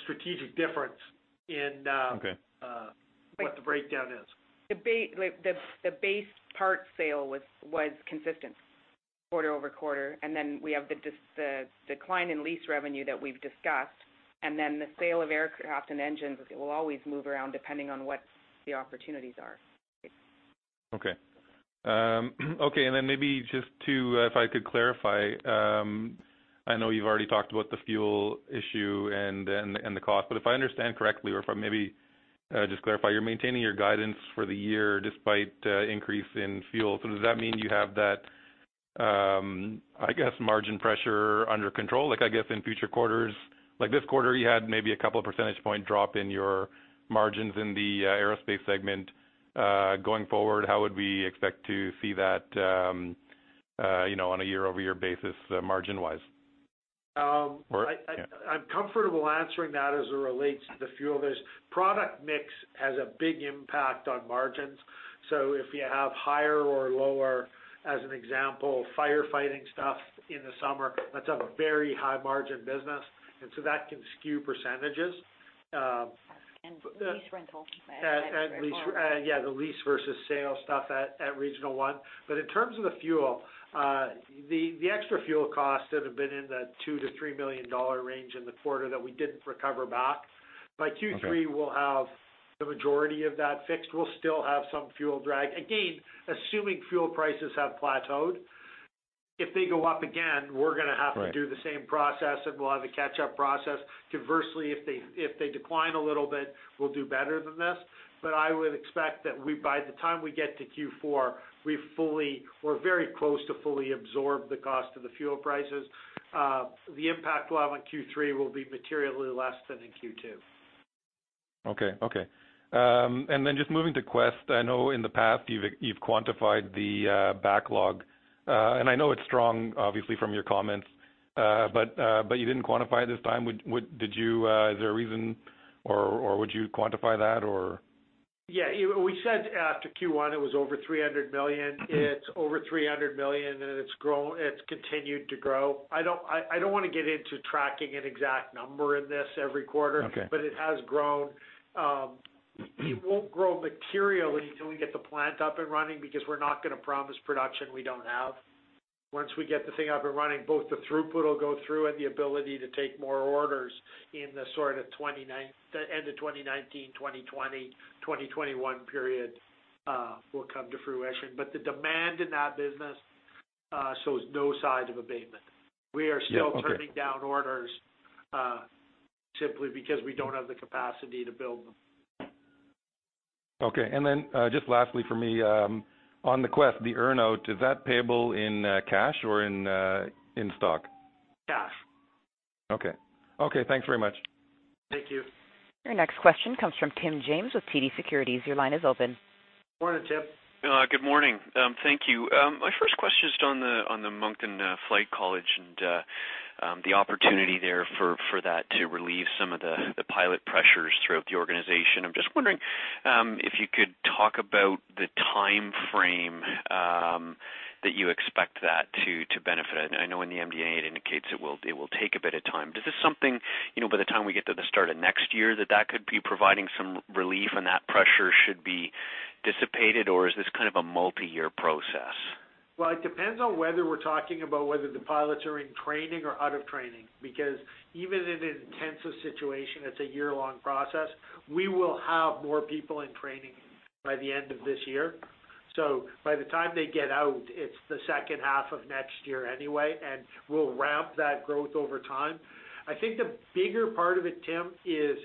Speaker 2: strategic difference in-
Speaker 10: Okay
Speaker 2: what the breakdown is.
Speaker 8: The base parts sale was consistent quarter-over-quarter. Then we have the decline in lease revenue that we've discussed. Then the sale of aircraft and engines will always move around depending on what the opportunities are.
Speaker 10: Okay. Okay, maybe just to, if I could clarify, I know you've already talked about the fuel issue and the cost. If I understand correctly or if I maybe just clarify, you're maintaining your guidance for the year despite increase in fuel. Does that mean you have that, I guess, margin pressure under control? I guess in future quarters. Like this quarter, you had maybe a couple of percentage point drop in your margins in the aerospace segment. Going forward, how would we expect to see that on a year-over-year basis, margin wise? Or, yeah.
Speaker 2: I'm comfortable answering that as it relates to the fuel. There's product mix has a big impact on margins. If you have higher or lower, as an example, firefighting stuff in the summer, that's a very high margin business, that can skew percentages.
Speaker 8: Lease rentals.
Speaker 2: Lease, yeah. The lease versus sale stuff at Regional One. In terms of the fuel, the extra fuel costs that have been in the 2 million-3 million dollar range in the quarter that we didn't recover back.
Speaker 10: Okay.
Speaker 2: By Q3, we'll have the majority of that fixed. We'll still have some fuel drag, again, assuming fuel prices have plateaued. If they go up again, we're going to have to
Speaker 10: Right
Speaker 2: the same process, and we'll have a catch-up process. Conversely, if they decline a little bit, we'll do better than this. I would expect that by the time we get to Q4, we're very close to fully absorb the cost of the fuel prices. The impact we'll have on Q3 will be materially less than in Q2.
Speaker 10: Okay. Then just moving to Quest, I know in the past you've quantified the backlog. I know it's strong, obviously, from your comments, but you didn't quantify it this time. Is there a reason, or would you quantify that or?
Speaker 2: Yeah. We said after Q1 it was over 300 million. It's over 300 million, and it's continued to grow. I don't want to get into tracking an exact number in this every quarter.
Speaker 10: Okay.
Speaker 2: It has grown. It won't grow materially until we get the plant up and running because we're not going to promise production we don't have. Once we get the thing up and running, both the throughput will go through and the ability to take more orders in the end of 2019, 2020, 2021 period will come to fruition. The demand in that business shows no signs of abatement.
Speaker 10: Yeah. Okay.
Speaker 2: We are still turning down orders simply because we don't have the capacity to build them.
Speaker 10: Okay. Then just lastly from me, on the Quest, the earn-out, is that payable in cash or in stock?
Speaker 2: Cash.
Speaker 10: Okay. Thanks very much.
Speaker 2: Thank you.
Speaker 1: Your next question comes from Tim James with TD Securities. Your line is open.
Speaker 2: Morning, Tim.
Speaker 11: Good morning. Thank you. My first question is on the Moncton Flight College and the opportunity there for that to relieve some of the pilot pressures throughout the organization. I'm just wondering if you could talk about the timeframe that you expect that to benefit. I know in the MD&A it indicates it will take a bit of time. Is this something by the time we get to the start of next year that that could be providing some relief and that pressure should be dissipated, or is this a multi-year process?
Speaker 2: Well, it depends on whether we're talking about whether the pilots are in training or out of training, because even in the tensive situation, it's a year-long process. We will have more people in training by the end of this year. By the time they get out, it's the second half of next year anyway, and we'll ramp that growth over time. I think the bigger part of it, Tim, is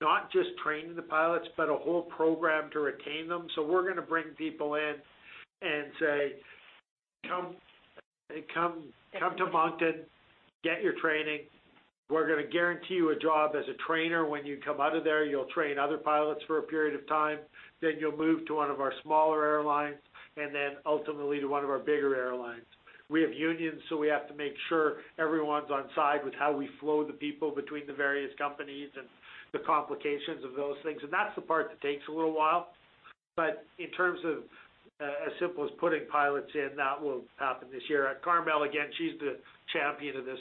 Speaker 2: not just training the pilots, but a whole program to retain them. We're going to bring people in and say, "Come to Moncton, get your training. We're going to guarantee you a job as a trainer when you come out of there. You'll train other pilots for a period of time, then you'll move to one of our smaller airlines and then ultimately to one of our bigger airlines." We have unions, so we have to make sure everyone's on side with how we flow the people between the various companies and the complications of those things. That's the part that takes a little while. In terms of as simple as putting pilots in, that will happen this year. Carmele, again, she's the champion of this.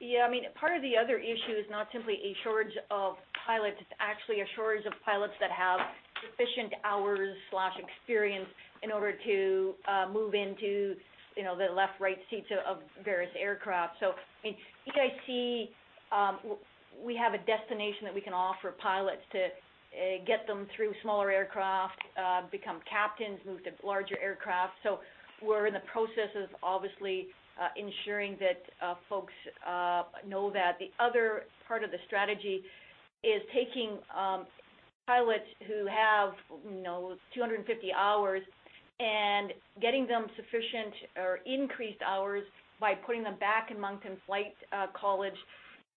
Speaker 8: Yeah. Part of the other issue is not simply a shortage of pilots. It's actually a shortage of pilots that have sufficient hours/experience in order to move into the left, right seats of various aircraft. EIC- We have a destination that we can offer pilots to get them through smaller aircraft, become captains, move to larger aircraft. We're in the process of obviously ensuring that folks know that the other part of the strategy is taking pilots who have 250 hours and getting them sufficient or increased hours by putting them back in Moncton Flight College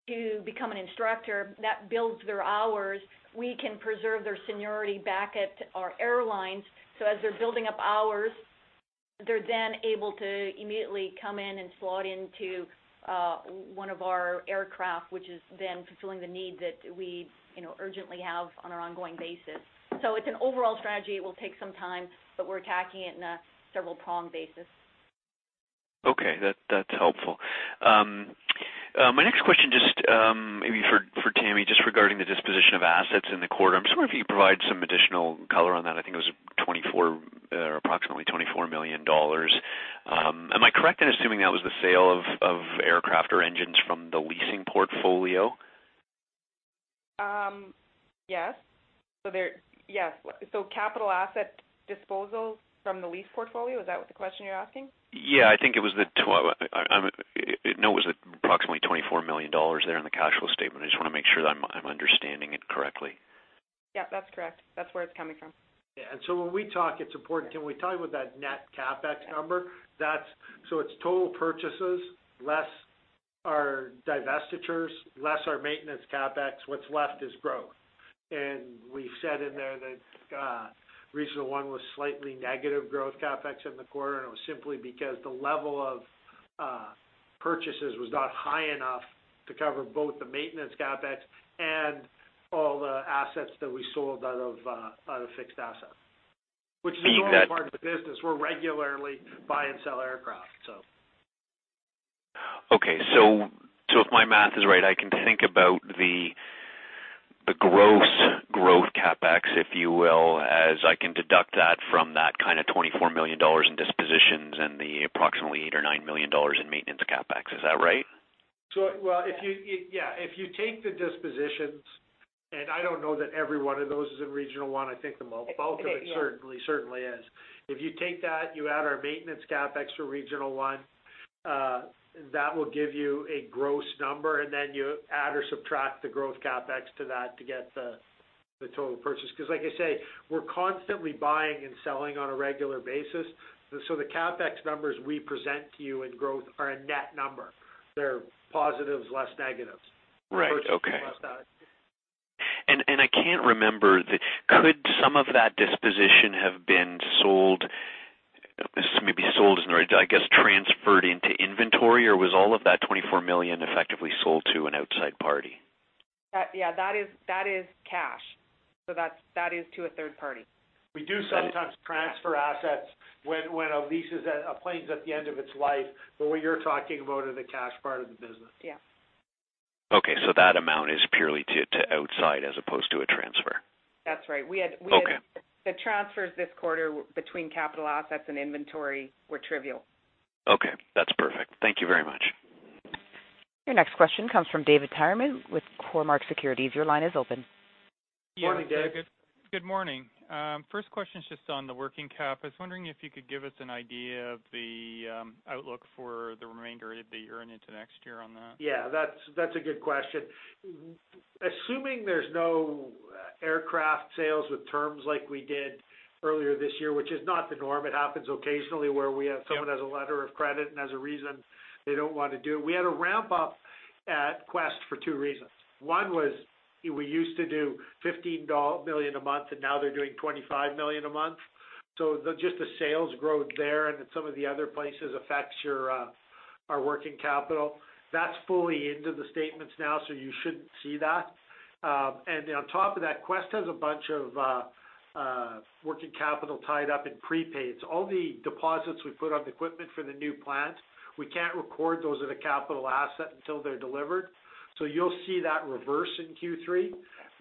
Speaker 8: to become an instructor. That builds their hours. We can preserve their seniority back at our airlines. As they're building up hours, they're then able to immediately come in and slot into one of our aircraft, which is then fulfilling the need that we urgently have on an ongoing basis. It's an overall strategy. It will take some time, but we're attacking it in a several-pronged basis.
Speaker 11: Okay. That's helpful. My next question, maybe for Tammy, just regarding the disposition of assets in the quarter. I'm just wondering if you could provide some additional color on that. I think it was approximately 24 million dollars. Am I correct in assuming that was the sale of aircraft or engines from the leasing portfolio?
Speaker 3: Yes. Capital asset disposals from the lease portfolio, is that what the question you're asking?
Speaker 11: Yeah, No, it was approximately 24 million dollars there in the cash flow statement. I just want to make sure that I'm understanding it correctly.
Speaker 3: Yep, that's correct. That's where it's coming from.
Speaker 2: Yeah. When we talk, it's important, when we talk about that net CapEx number, so it's total purchases, less our divestitures, less our maintenance CapEx, what's left is growth. We said in there that Regional One was slightly negative growth CapEx in the quarter, and it was simply because the level of purchases was not high enough to cover both the maintenance CapEx and all the assets that we sold out of fixed assets. Which is a normal part of the business. We regularly buy and sell aircraft.
Speaker 11: Okay. If my math is right, I can think about the gross growth CapEx, if you will, as I can deduct that from that kind of 24 million dollars in dispositions and the approximately 8 million or 9 million dollars in maintenance CapEx. Is that right?
Speaker 2: Well, yeah. If you take the dispositions, and I don't know that every one of those is in Regional One, I think the bulk of it certainly is. If you take that, you add our maintenance CapEx for Regional One, that will give you a gross number, and then you add or subtract the growth CapEx to that to get the total purchase. Because like I say, we're constantly buying and selling on a regular basis. The CapEx numbers we present to you in growth are a net number. They're positives less negatives.
Speaker 11: Right. Okay.
Speaker 2: Purchased less that.
Speaker 11: I can't remember, could some of that disposition have been sold, maybe sold isn't the right I guess, transferred into inventory, or was all of that 24 million effectively sold to an outside party?
Speaker 3: Yeah, that is cash. That is to a third party.
Speaker 2: We do sometimes transfer assets when a plane's at the end of its life. What you're talking about are the cash part of the business.
Speaker 3: Yeah.
Speaker 11: That amount is purely to outside as opposed to a transfer.
Speaker 3: That's right.
Speaker 11: Okay.
Speaker 3: The transfers this quarter between capital assets and inventory were trivial.
Speaker 11: Okay, that's perfect. Thank you very much.
Speaker 1: Your next question comes from David Tyerman with Cormark Securities. Your line is open.
Speaker 2: Morning, Dave.
Speaker 12: Good morning. First question is just on the working cap. I was wondering if you could give us an idea of the outlook for the remainder of the year and into next year on that.
Speaker 2: Yeah, that's a good question. Assuming there's no aircraft sales with terms like we did earlier this year, which is not the norm. It happens occasionally where we have someone has a letter of credit and has a reason they don't want to do it. We had a ramp up at Quest for two reasons. One was we used to do 15 million dollar a month, and now they're doing 25 million a month. Just the sales growth there and at some of the other places affects our working capital. That's fully into the statements now, so you shouldn't see that. On top of that, Quest has a bunch of working capital tied up in prepaids. All the deposits we put on equipment for the new plant, we can't record those as a capital asset until they're delivered. You'll see that reverse in Q3,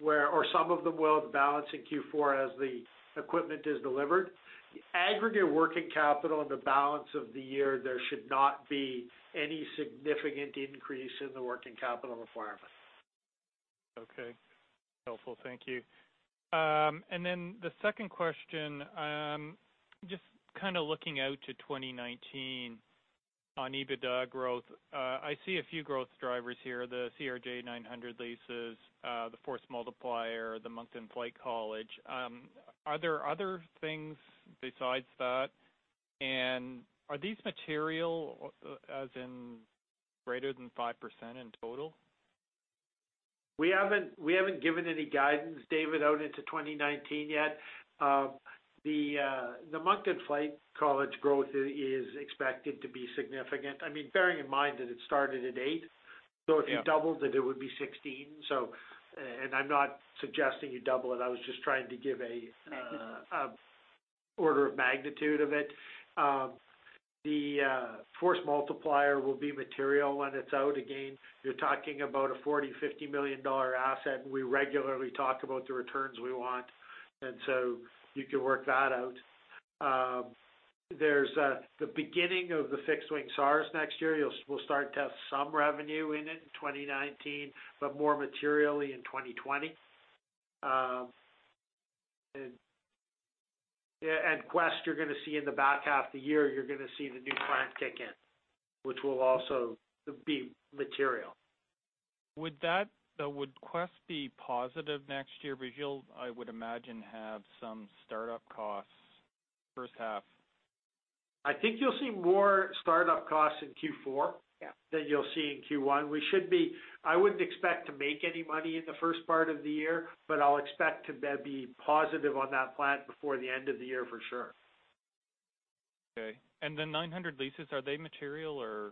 Speaker 2: or some of them will balance in Q4 as the equipment is delivered. Aggregate working capital in the balance of the year, there should not be any significant increase in the working capital requirement.
Speaker 12: Okay. Helpful. Thank you. Then the second question, just kind of looking out to 2019 on EBITDA growth. I see a few growth drivers here, the CRJ-900 leases, the Force Multiplier, the Moncton Flight College. Are there other things besides that, and are these material, as in greater than 5% in total?
Speaker 2: We haven't given any guidance, David, out into 2019 yet. The Moncton Flight College growth is expected to be significant. Bearing in mind that it started at eight.
Speaker 12: Yeah.
Speaker 2: If you doubled it would be 16. I'm not suggesting you double it, I was just trying to give.
Speaker 3: Magnitude
Speaker 2: order of magnitude of it. The Force Multiplier will be material when it's out. Again, you're talking about a 40 million, 50 million dollar asset, and we regularly talk about the returns we want. You can work that out. There's the beginning of the fixed-wing STARS next year. We'll start to have some revenue in it in 2019, but more materially in 2020. Quest, you're going to see in the back half of the year, you're going to see the new plant kick in, which will also be material.
Speaker 12: Would Quest be positive next year? You'll, I would imagine, have some startup costs first half.
Speaker 2: I think you'll see more startup costs in Q4.
Speaker 12: Yeah
Speaker 2: than you'll see in Q1. I wouldn't expect to make any money in the first part of the year, but I'll expect to be positive on that plant before the end of the year for sure.
Speaker 12: Okay. The 900 leases, are they material or?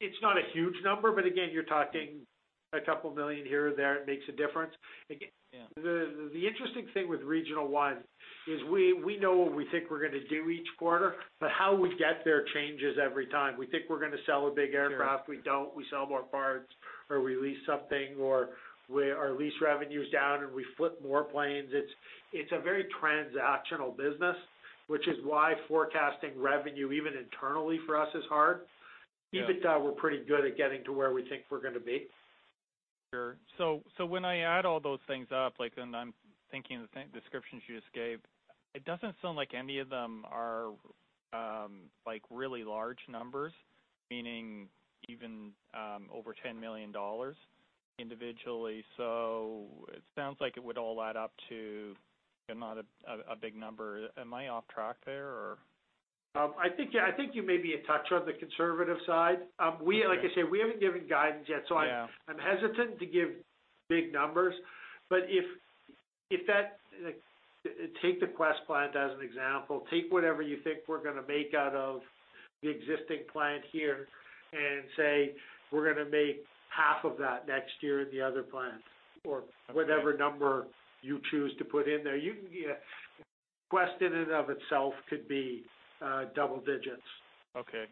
Speaker 2: It's not a huge number, but again, you're talking a couple million CAD here or there, it makes a difference.
Speaker 12: Yeah.
Speaker 2: The interesting thing with Regional One is we know what we think we're going to do each quarter, but how we get there changes every time. We think we're going to sell a big aircraft.
Speaker 12: Sure.
Speaker 2: We don't. We sell more parts or we lease something, or our lease revenue's down, we flip more planes. It's a very transactional business, which is why forecasting revenue, even internally for us, is hard.
Speaker 12: Yeah.
Speaker 2: EBITDA, we're pretty good at getting to where we think we're going to be.
Speaker 12: Sure. When I add all those things up, I'm thinking the descriptions you just gave, it doesn't sound like any of them are really large numbers, meaning even over 10 million dollars individually. It sounds like it would all add up to not a big number. Am I off track there, or?
Speaker 2: I think you may be a touch on the conservative side.
Speaker 12: Okay.
Speaker 2: Like I said, we haven't given guidance yet.
Speaker 12: Yeah
Speaker 2: I'm hesitant to give big numbers. Take the Quest plant as an example. Take whatever you think we're going to make out of the existing plant here and say we're going to make half of that next year in the other plant.
Speaker 12: Okay
Speaker 2: Whatever number you choose to put in there. Quest in and of itself could be double digits.
Speaker 12: Okay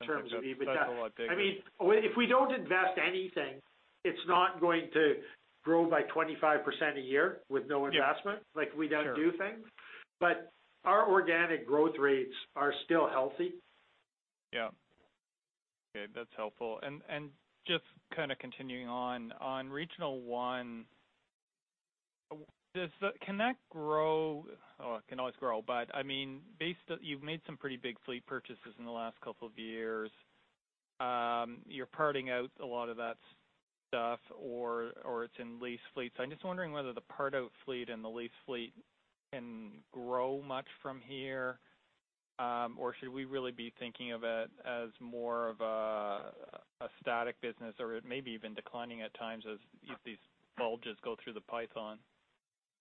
Speaker 2: In terms of EBITDA.
Speaker 12: That's a lot bigger.
Speaker 2: If we don't invest anything, it's not going to grow by 25% a year with no investment.
Speaker 12: Yeah. Sure.
Speaker 2: We've got to do things. Our organic growth rates are still healthy.
Speaker 12: Yeah. Okay, that's helpful. Just continuing on Regional One, can that grow? Oh, it can always grow, but you've made some pretty big fleet purchases in the last couple of years. You're parting out a lot of that stuff, or it's in lease fleets. I'm just wondering whether the part-out fleet and the lease fleet can grow much from here. Should we really be thinking of it as more of a static business, or it may be even declining at times as these bulges go through the python?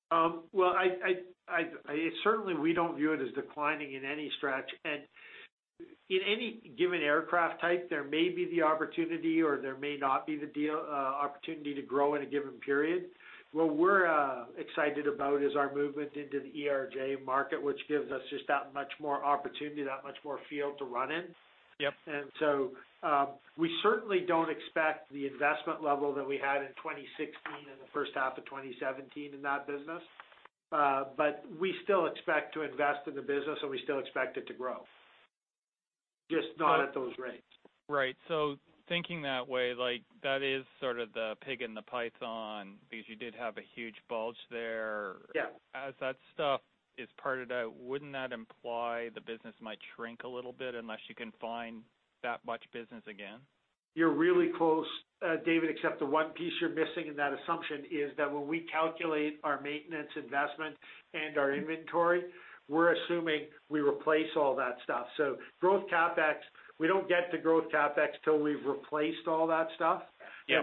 Speaker 2: Well, certainly we don't view it as declining in any stretch. In any given aircraft type, there may be the opportunity, or there may not be the opportunity to grow in a given period. What we're excited about is our movement into the ERJ market, which gives us just that much more opportunity, that much more field to run in.
Speaker 12: Yep.
Speaker 2: We certainly don't expect the investment level that we had in 2016 and the first half of 2017 in that business. We still expect to invest in the business, and we still expect it to grow. Just not at those rates.
Speaker 12: Right. Thinking that way, that is sort of the pig and the python because you did have a huge bulge there.
Speaker 2: Yeah.
Speaker 12: As that stuff is parted out, wouldn't that imply the business might shrink a little bit unless you can find that much business again?
Speaker 2: You're really close, David, except the one piece you're missing in that assumption is that when we calculate our maintenance investment and our inventory, we're assuming we replace all that stuff. Growth CapEx, we don't get to growth CapEx till we've replaced all that stuff.
Speaker 12: Yeah.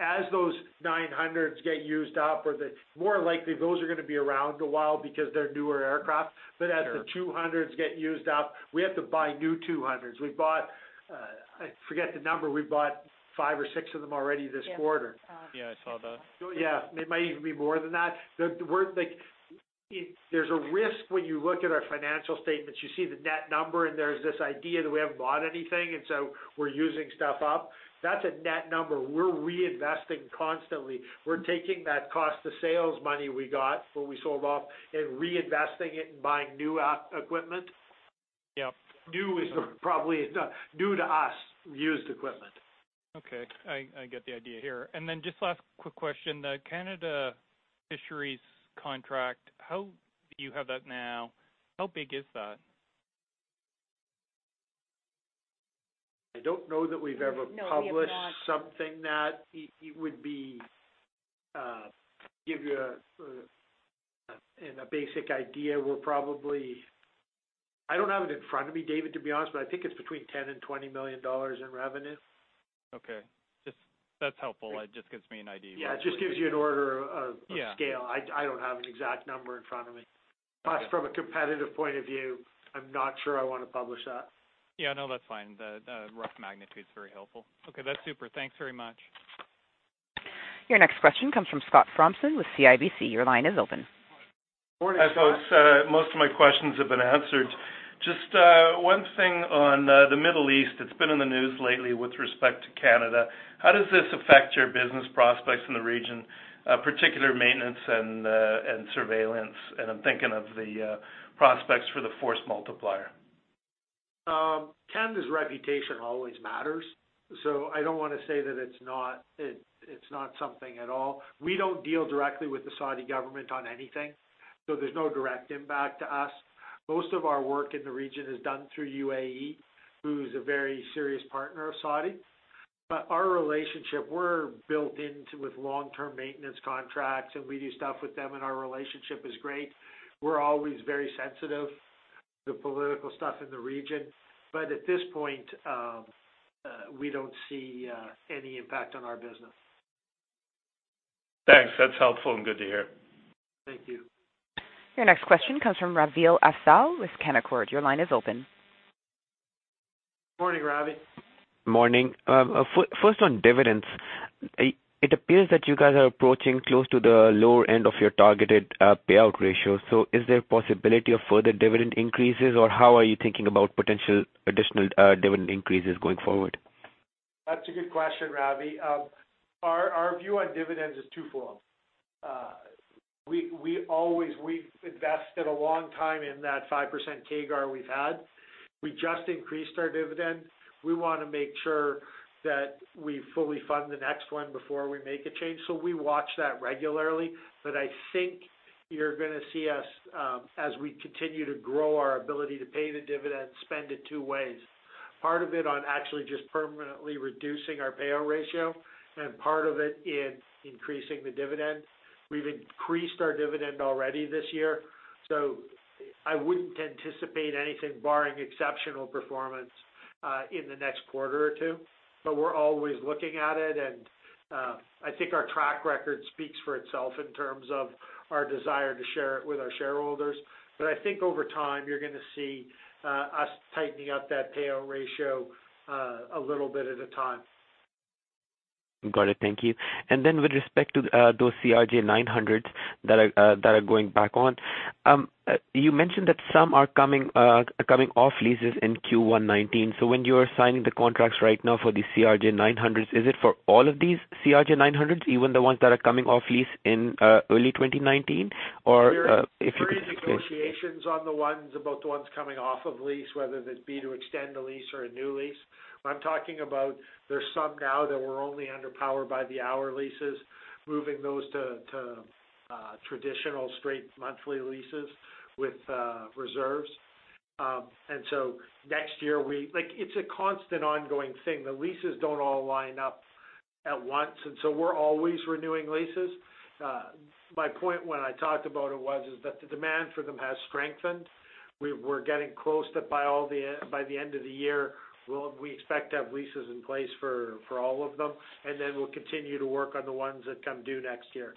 Speaker 2: As those 900s get used up or the More likely, those are going to be around a while because they're newer aircraft.
Speaker 12: Sure.
Speaker 2: As the 200s get used up, we have to buy new 200s. I forget the number. We bought five or six of them already this quarter.
Speaker 8: Yes. Yeah, I saw that.
Speaker 2: Yeah. It might even be more than that. There's a risk when you look at our financial statements, you see the net number, and there's this idea that we haven't bought anything, and so we're using stuff up. That's a net number. We're reinvesting constantly. We're taking that cost to sales money we got when we sold off and reinvesting it in buying new equipment.
Speaker 12: Yep.
Speaker 2: New to us. Used equipment.
Speaker 12: Okay. I get the idea here. Just last quick question. The Canada Fisheries contract, you have that now. How big is that?
Speaker 2: I don't know that we've ever.
Speaker 8: No, we have not published something that would give you a basic idea. I don't have it in front of me, David, to be honest, but I think it's between 10 million and 20 million dollars in revenue.
Speaker 12: Okay. That's helpful. It just gives me an idea roughly.
Speaker 2: Yeah, it just gives you an order of scale.
Speaker 12: Yeah.
Speaker 2: I don't have an exact number in front of me.
Speaker 12: Okay.
Speaker 2: Plus, from a competitive point of view, I'm not sure I want to publish that.
Speaker 12: Yeah, no, that's fine. The rough magnitude's very helpful. Okay, that's super. Thanks very much.
Speaker 1: Your next question comes from Scott Fromson with CIBC. Your line is open
Speaker 13: Hi, folks. Most of my questions have been answered. Just one thing on the Middle East. It's been in the news lately with respect to Canada. How does this affect your business prospects in the region, particular maintenance and surveillance? I'm thinking of the prospects for the Force Multiplier.
Speaker 2: Canada's reputation always matters, so I don't want to say that it's not something at all. We don't deal directly with the Saudi government on anything, so there's no direct impact to us. Most of our work in the region is done through UAE, who's a very serious partner of Saudi. Our relationship, we're built in with long-term maintenance contracts, and we do stuff with them, and our relationship is great. We're always very sensitive to political stuff in the region. At this point, we don't see any impact on our business.
Speaker 13: Thanks. That's helpful and good to hear.
Speaker 2: Thank you.
Speaker 1: Your next question comes from Raveel Afzaal with Canaccord. Your line is open.
Speaker 2: Morning, Ravi.
Speaker 14: Morning. First on dividends, it appears that you guys are approaching close to the lower end of your targeted payout ratio. Is there a possibility of further dividend increases, or how are you thinking about potential additional dividend increases going forward?
Speaker 2: That's a good question, Ravi. Our view on dividends is twofold. We've invested a long time in that 5% CAGR we've had. We just increased our dividend. We want to make sure that we fully fund the next one before we make a change. We watch that regularly. I think you're going to see us, as we continue to grow our ability to pay the dividend, spend it two ways. Part of it on actually just permanently reducing our payout ratio, and part of it in increasing the dividend. We've increased our dividend already this year, so I wouldn't anticipate anything barring exceptional performance in the next quarter or two. We're always looking at it, and I think our track record speaks for itself in terms of our desire to share it with our shareholders. I think over time, you're going to see us tightening up that payout ratio a little bit at a time.
Speaker 14: Got it. Thank you. With respect to those CRJ 900s that are going back on, you mentioned that some are coming off leases in Q1 2019. When you are signing the contracts right now for the CRJ 900s, is it for all of these CRJ 900s, even the ones that are coming off lease in early 2019?
Speaker 2: There is negotiations on the ones, about the ones coming off of lease, whether that be to extend the lease or a new lease. I'm talking about there's some now that were only under power by the hour leases, moving those to traditional straight monthly leases with reserves. Next year, it's a constant ongoing thing. The leases don't all line up at once, we're always renewing leases. My point when I talked about it was is that the demand for them has strengthened. We're getting close to, by the end of the year, we expect to have leases in place for all of them, and then we'll continue to work on the ones that come due next year.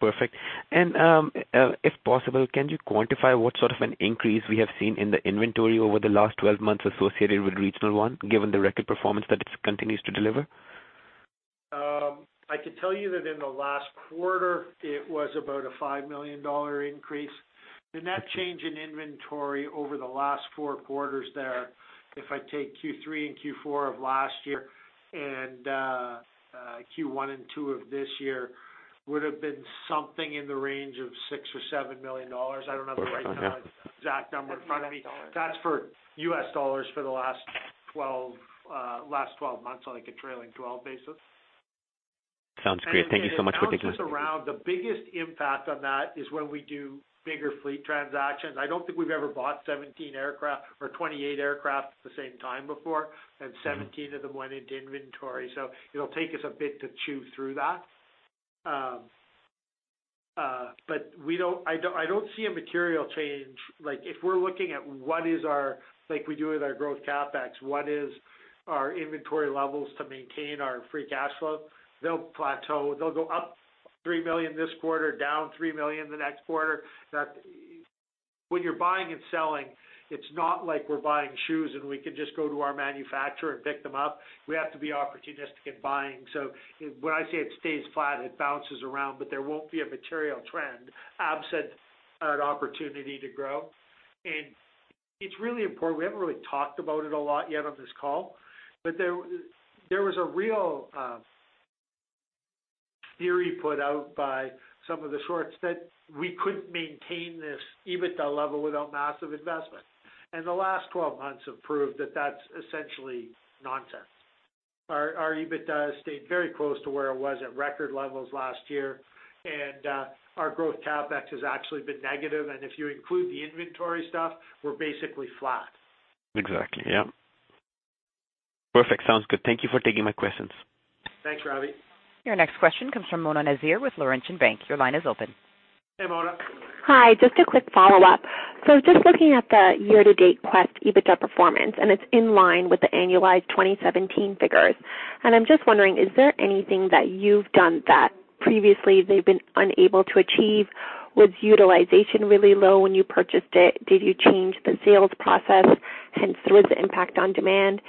Speaker 14: Perfect. If possible, can you quantify what sort of an increase we have seen in the inventory over the last 12 months associated with Regional One, given the record performance that it continues to deliver?
Speaker 2: I could tell you that in the last quarter, it was about a 5 million dollar increase. The net change in inventory over the last 4 quarters there, if I take Q3 and Q4 of last year and Q1 and 2 of this year, would've been something in the range of 6 million or 7 million dollars.
Speaker 14: Perfect. Yeah
Speaker 2: exact number in front of me.
Speaker 3: $17 million. That's for US dollars for the last 12 months on a trailing 12 basis.
Speaker 14: Sounds great. Thank you so much for taking.
Speaker 2: It bounces around. The biggest impact on that is when we do bigger fleet transactions. I don't think we've ever bought 17 aircraft or 28 aircraft at the same time before, and 17 of them went into inventory, so it'll take us a bit to chew through that. I don't see a material change, like if we're looking at what is our, like we do with our growth CapEx, what is our inventory levels to maintain our free cash flow? They'll plateau. They'll go up 3 million this quarter, down 3 million the next quarter. When you're buying and selling, it's not like we're buying shoes, and we can just go to our manufacturer and pick them up. We have to be opportunistic in buying. When I say it stays flat, it bounces around, but there won't be a material trend absent an opportunity to grow. It's really important, we haven't really talked about it a lot yet on this call, there was a real theory put out by some of the shorts that we couldn't maintain this EBITDA level without massive investment. The last 12 months have proved that that's essentially nonsense. Our EBITDA has stayed very close to where it was at record levels last year, our growth CapEx has actually been negative, if you include the inventory stuff, we're basically flat.
Speaker 14: Exactly. Yep. Perfect. Sounds good. Thank you for taking my questions.
Speaker 2: Thanks, Ravi.
Speaker 1: Your next question comes from Mona Nazir with Laurentian Bank. Your line is open.
Speaker 2: Hey, Mona.
Speaker 4: Hi. Just looking at the year-to-date Quest EBITDA performance, it's in line with the annualized 2017 figures. I'm just wondering, is there anything that you've done that previously they've been unable to achieve? Was utilization really low when you purchased it? Did you change the sales process? Hence there was the impact on demand.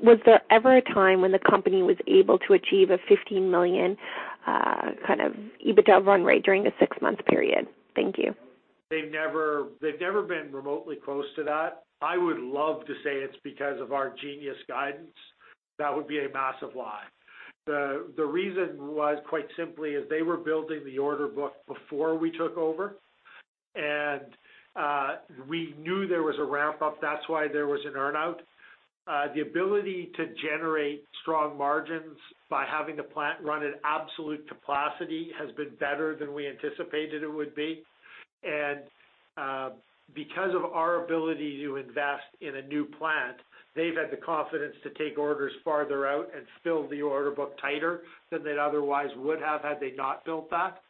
Speaker 4: Was there ever a time when the company was able to achieve a 15 million kind of EBITDA run rate during a six-month period? Thank you.
Speaker 2: They've never been remotely close to that. I would love to say it's because of our genius guidance. That would be a massive lie. The reason was quite simply is they were building the order book before we took over, we knew there was a ramp-up. That's why there was an earn-out. The ability to generate strong margins by having the plant run at absolute capacity has been better than we anticipated it would be. Because of our ability to invest in a new plant, they've had the confidence to take orders farther out and fill the order book tighter than they otherwise would have had they not built that.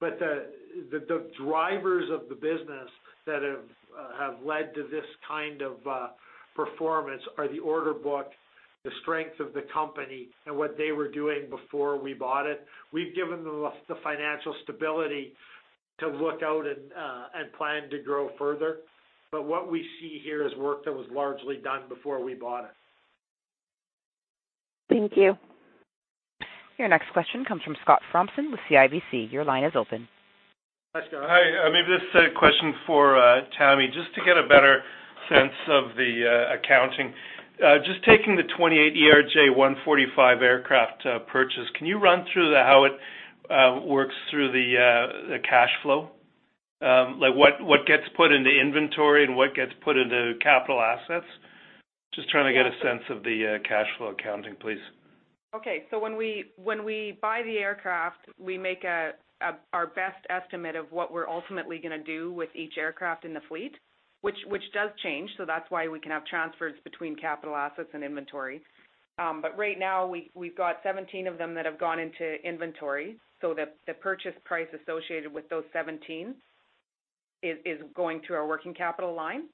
Speaker 2: The drivers of the business that have led to this kind of performance are the order book, the strength of the company, and what they were doing before we bought it. We've given them the financial stability to look out and plan to grow further. What we see here is work that was largely done before we bought it.
Speaker 4: Thank you.
Speaker 1: Your next question comes from Scott Thompson with CIBC. Your line is open.
Speaker 13: Hi, Scott. Maybe this is a question for Tammy, just to get a better sense of the accounting. Just taking the 28 ERJ-145 aircraft purchase, can you run through how it works through the cash flow? Like what gets put into inventory and what gets put into capital assets? Just trying to get a sense of the cash flow accounting, please.
Speaker 3: Okay. When we buy the aircraft, we make our best estimate of what we're ultimately going to do with each aircraft in the fleet, which does change. That's why we can have transfers between capital assets and inventory. Right now, we've got 17 of them that have gone into inventory, the purchase price associated with those 17 is going to our working capital line.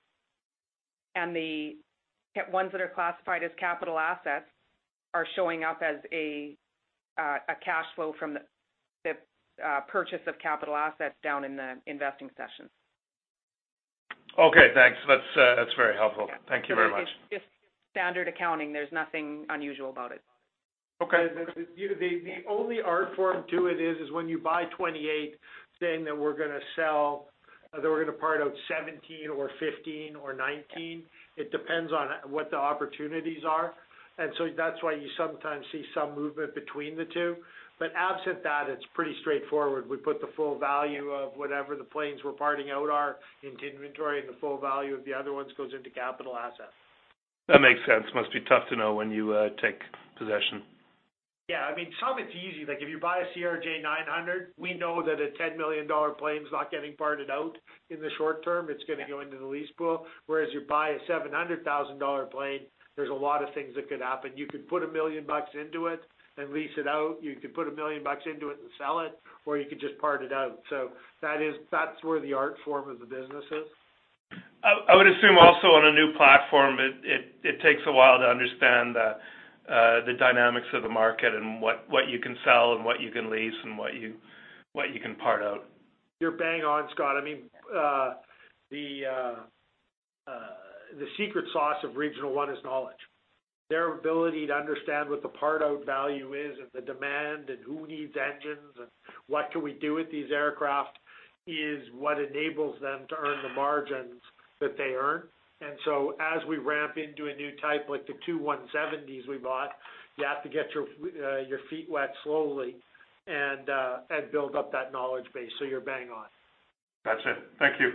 Speaker 3: The ones that are classified as capital assets are showing up as a cash flow from the purchase of capital assets down in the investing section.
Speaker 13: Okay, thanks. That's very helpful. Thank you very much.
Speaker 3: It's just standard accounting. There's nothing unusual about it.
Speaker 13: Okay.
Speaker 2: The only art form to it is when you buy 28, saying that we're going to sell or that we're going to part out 17 or 15 or 19. It depends on what the opportunities are. That's why you sometimes see some movement between the two. Absent that, it's pretty straightforward. We put the full value of whatever the planes we're parting out are into inventory, and the full value of the other ones goes into capital asset.
Speaker 13: That makes sense. Must be tough to know when you take possession.
Speaker 2: Yeah. Some it's easy, like if you buy a CRJ-900, we know that a 10 million dollar plane's not getting parted out in the short term. It's going to go into the lease pool, whereas you buy a 700,000 dollar plane, there's a lot of things that could happen. You could put 1 million bucks into it and lease it out. You could put 1 million bucks into it and sell it, or you could just part it out. That's where the art form of the business is.
Speaker 13: I would assume also on a new platform, it takes a while to understand the dynamics of the market and what you can sell and what you can lease and what you can part out.
Speaker 2: You're bang on, Scott. The secret sauce of Regional One is knowledge. Their ability to understand what the part-out value is and the demand and who needs engines and what can we do with these aircraft is what enables them to earn the margins that they earn. As we ramp into a new type, like the two 170s we bought, you have to get your feet wet slowly and build up that knowledge base. You're bang on.
Speaker 13: That's it. Thank you.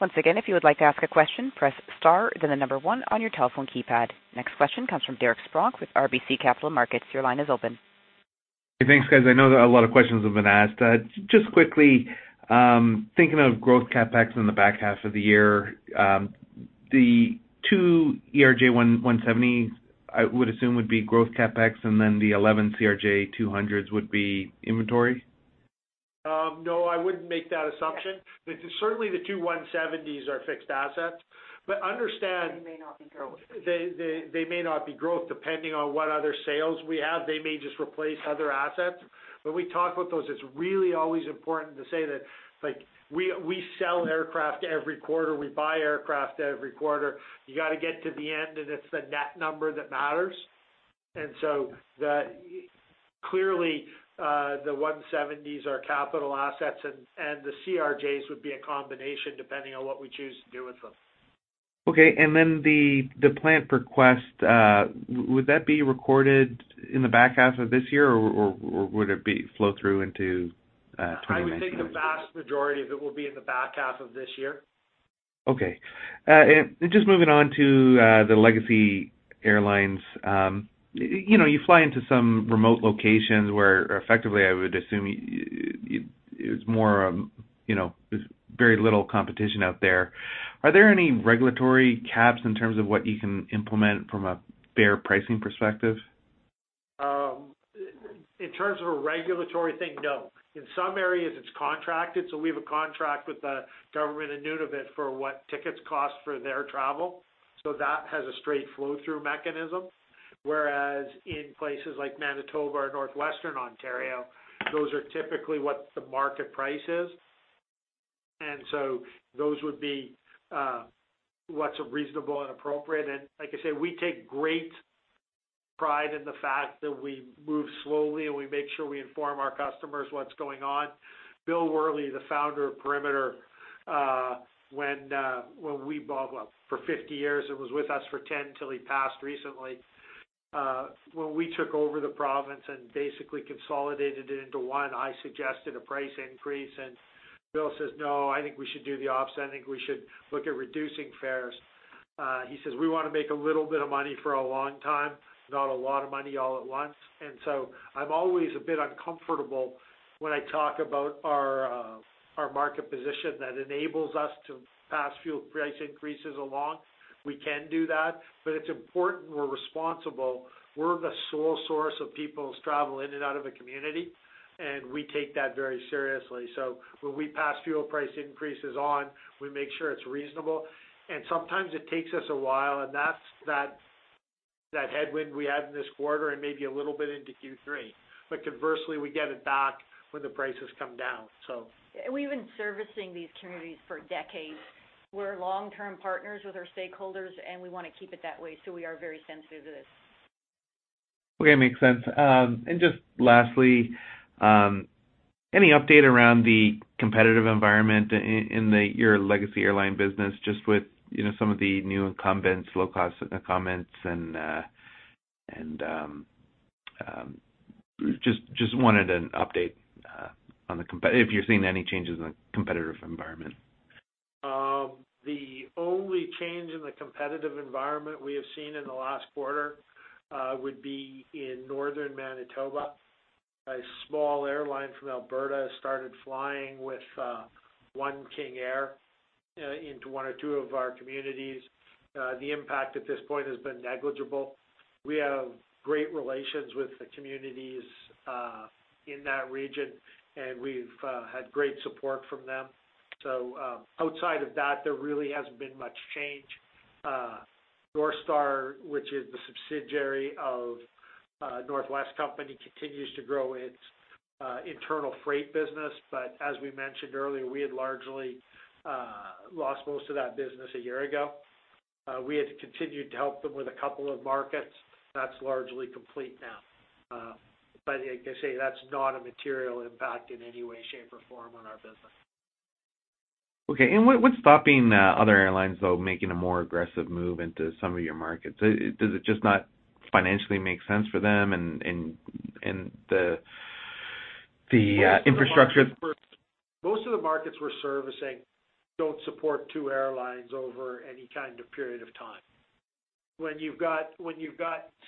Speaker 1: Once again, if you would like to ask a question, press star, then the number one on your telephone keypad. Next question comes from Derek Spronck with RBC Capital Markets. Your line is open.
Speaker 15: Thanks, guys. I know that a lot of questions have been asked. Just quickly, thinking of growth CapEx in the back half of the year, the two ERJ-170s, I would assume would be growth CapEx, and then the 11 CRJ-200s would be inventory?
Speaker 2: No, I wouldn't make that assumption.
Speaker 3: Yes.
Speaker 2: Certainly the two 170s are fixed assets. understand.
Speaker 3: They may not be growth
Speaker 2: They may not be growth depending on what other sales we have. They may just replace other assets. When we talk about those, it's really always important to say that we sell aircraft every quarter. We buy aircraft every quarter. You got to get to the end and it's the net number that matters. Clearly the 170s are capital assets and the CRJs would be a combination depending on what we choose to do with them.
Speaker 15: Okay. The plant for Quest, would that be recorded in the back half of this year or would it flow through into 2019?
Speaker 2: I would think the vast majority of it will be in the back half of this year.
Speaker 15: Just moving on to the Legacy Airlines. You fly into some remote locations where effectively, I would assume it's very little competition out there. Are there any regulatory caps in terms of what you can implement from a fare pricing perspective?
Speaker 2: In terms of a regulatory thing, no. In some areas it's contracted, so we have a contract with the government of Nunavut for what tickets cost for their travel. That has a straight flow through mechanism. Whereas in places like Manitoba or Northwestern Ontario, those are typically what the market price is. Those would be what's reasonable and appropriate. Like I said, we take great pride in the fact that we move slowly, and we make sure we inform our customers what's going on. Bill Worley, the founder of Perimeter, for 50 years and was with us for 10 till he passed recently. When we took over the province and basically consolidated it into one, I suggested a price increase and Bill says, "No, I think we should do the opposite. I think we should look at reducing fares." He says, "We want to make a little bit of money for a long time, not a lot of money all at once." I'm always a bit uncomfortable when I talk about our market position that enables us to pass fuel price increases along. We can do that, but it's important we're responsible. We're the sole source of people's travel in and out of a community, and we take that very seriously. When we pass fuel price increases on, we make sure it's reasonable, and sometimes it takes us a while, and that's that headwind we had in this quarter and maybe a little bit into Q3. Conversely, we get it back when the prices come down.
Speaker 8: We've been servicing these communities for decades. We're long-term partners with our stakeholders, and we want to keep it that way, so we are very sensitive to this.
Speaker 15: Makes sense. Just lastly, any update around the competitive environment in your Legacy Airlines business, just with some of the new incumbents, low-cost incumbents, and just wanted an update if you're seeing any changes in the competitive environment.
Speaker 2: The only change in the competitive environment we have seen in the last quarter would be in northern Manitoba. A small airline from Alberta started flying with one King Air into one or two of our communities. The impact at this point has been negligible. We have great relations with the communities in that region, and we've had great support from them. Outside of that, there really hasn't been much change. North Star, which is the subsidiary of The North West Company, continues to grow its internal freight business, as we mentioned earlier, we had largely lost most of that business a year ago. We had continued to help them with a couple of markets. That's largely complete now. Like I say, that's not a material impact in any way, shape, or form on our business.
Speaker 15: Okay, what's stopping other airlines, though, making a more aggressive move into some of your markets? Does it just not financially make sense for them and the infrastructure?
Speaker 2: Most of the markets we're servicing don't support two airlines over any kind of period of time. When you've got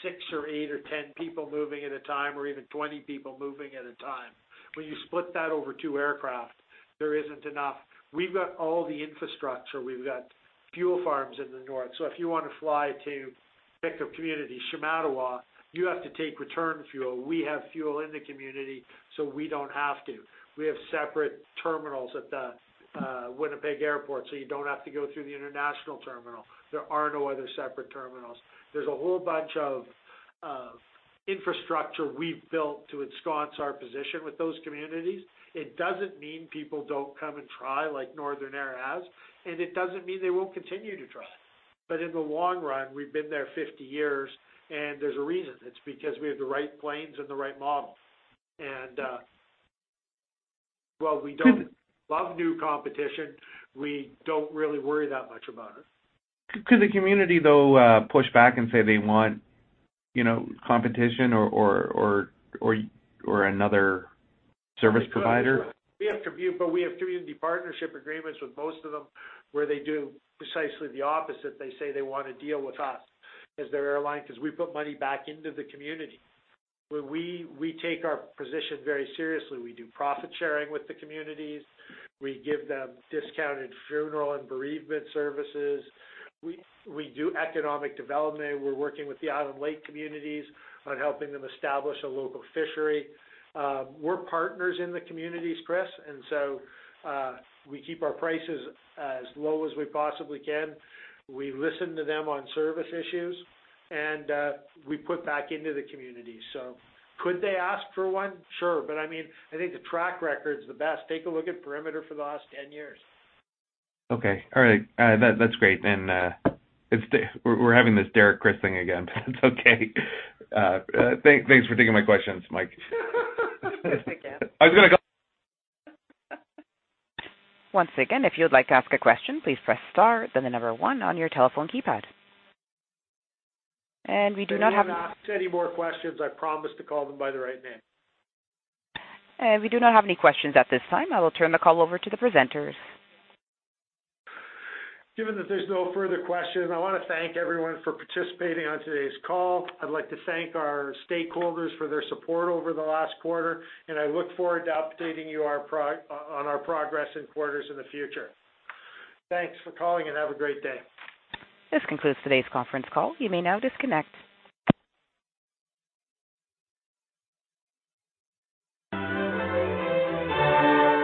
Speaker 2: six or eight or 10 people moving at a time, or even 20 people moving at a time, when you split that over two aircraft, there isn't enough. We've got all the infrastructure. We've got fuel farms in the north. If you want to fly to pick a community, Shamattawa, you have to take return fuel. We have fuel in the community, so we don't have to. We have separate terminals at the Winnipeg Airport, so you don't have to go through the international terminal. There are no other separate terminals. There's a whole bunch of infrastructure we've built to ensconce our position with those communities. It doesn't mean people don't come and try, like Northern Air has, it doesn't mean they won't continue to try. In the long run, we've been there 50 years, and there's a reason. It's because we have the right planes and the right model. While we don't love new competition, we don't really worry that much about it.
Speaker 15: Could the community, though, push back and say they want competition or another service provider?
Speaker 2: We have community partnership agreements with most of them where they do precisely the opposite. They say they want to deal with us as their airline because we put money back into the community. We take our position very seriously. We do profit sharing with the communities. We give them discounted funeral and bereavement services. We do economic development. We're working with the Island Lake communities on helping them establish a local fishery. We're partners in the communities, Chris, we keep our prices as low as we possibly can. We listen to them on service issues, and we put back into the community. Could they ask for one? Sure. I think the track record's the best. Take a look at Perimeter for the last 10 years.
Speaker 15: Okay. All right. That's great. We're having this Derek, Chris thing again, that's okay. Thanks for taking my questions, Mike.
Speaker 8: Again.
Speaker 15: I was going to
Speaker 1: Once again, if you would like to ask a question, please press star, then 1 on your telephone keypad. We do not
Speaker 2: You can ask any more questions. I promise to call them by the right name.
Speaker 1: We do not have any questions at this time. I will turn the call over to the presenters.
Speaker 2: Given that there's no further questions, I want to thank everyone for participating on today's call. I'd like to thank our stakeholders for their support over the last quarter, and I look forward to updating you on our progress in quarters in the future. Thanks for calling, and have a great day.
Speaker 1: This concludes today's conference call. You may now disconnect.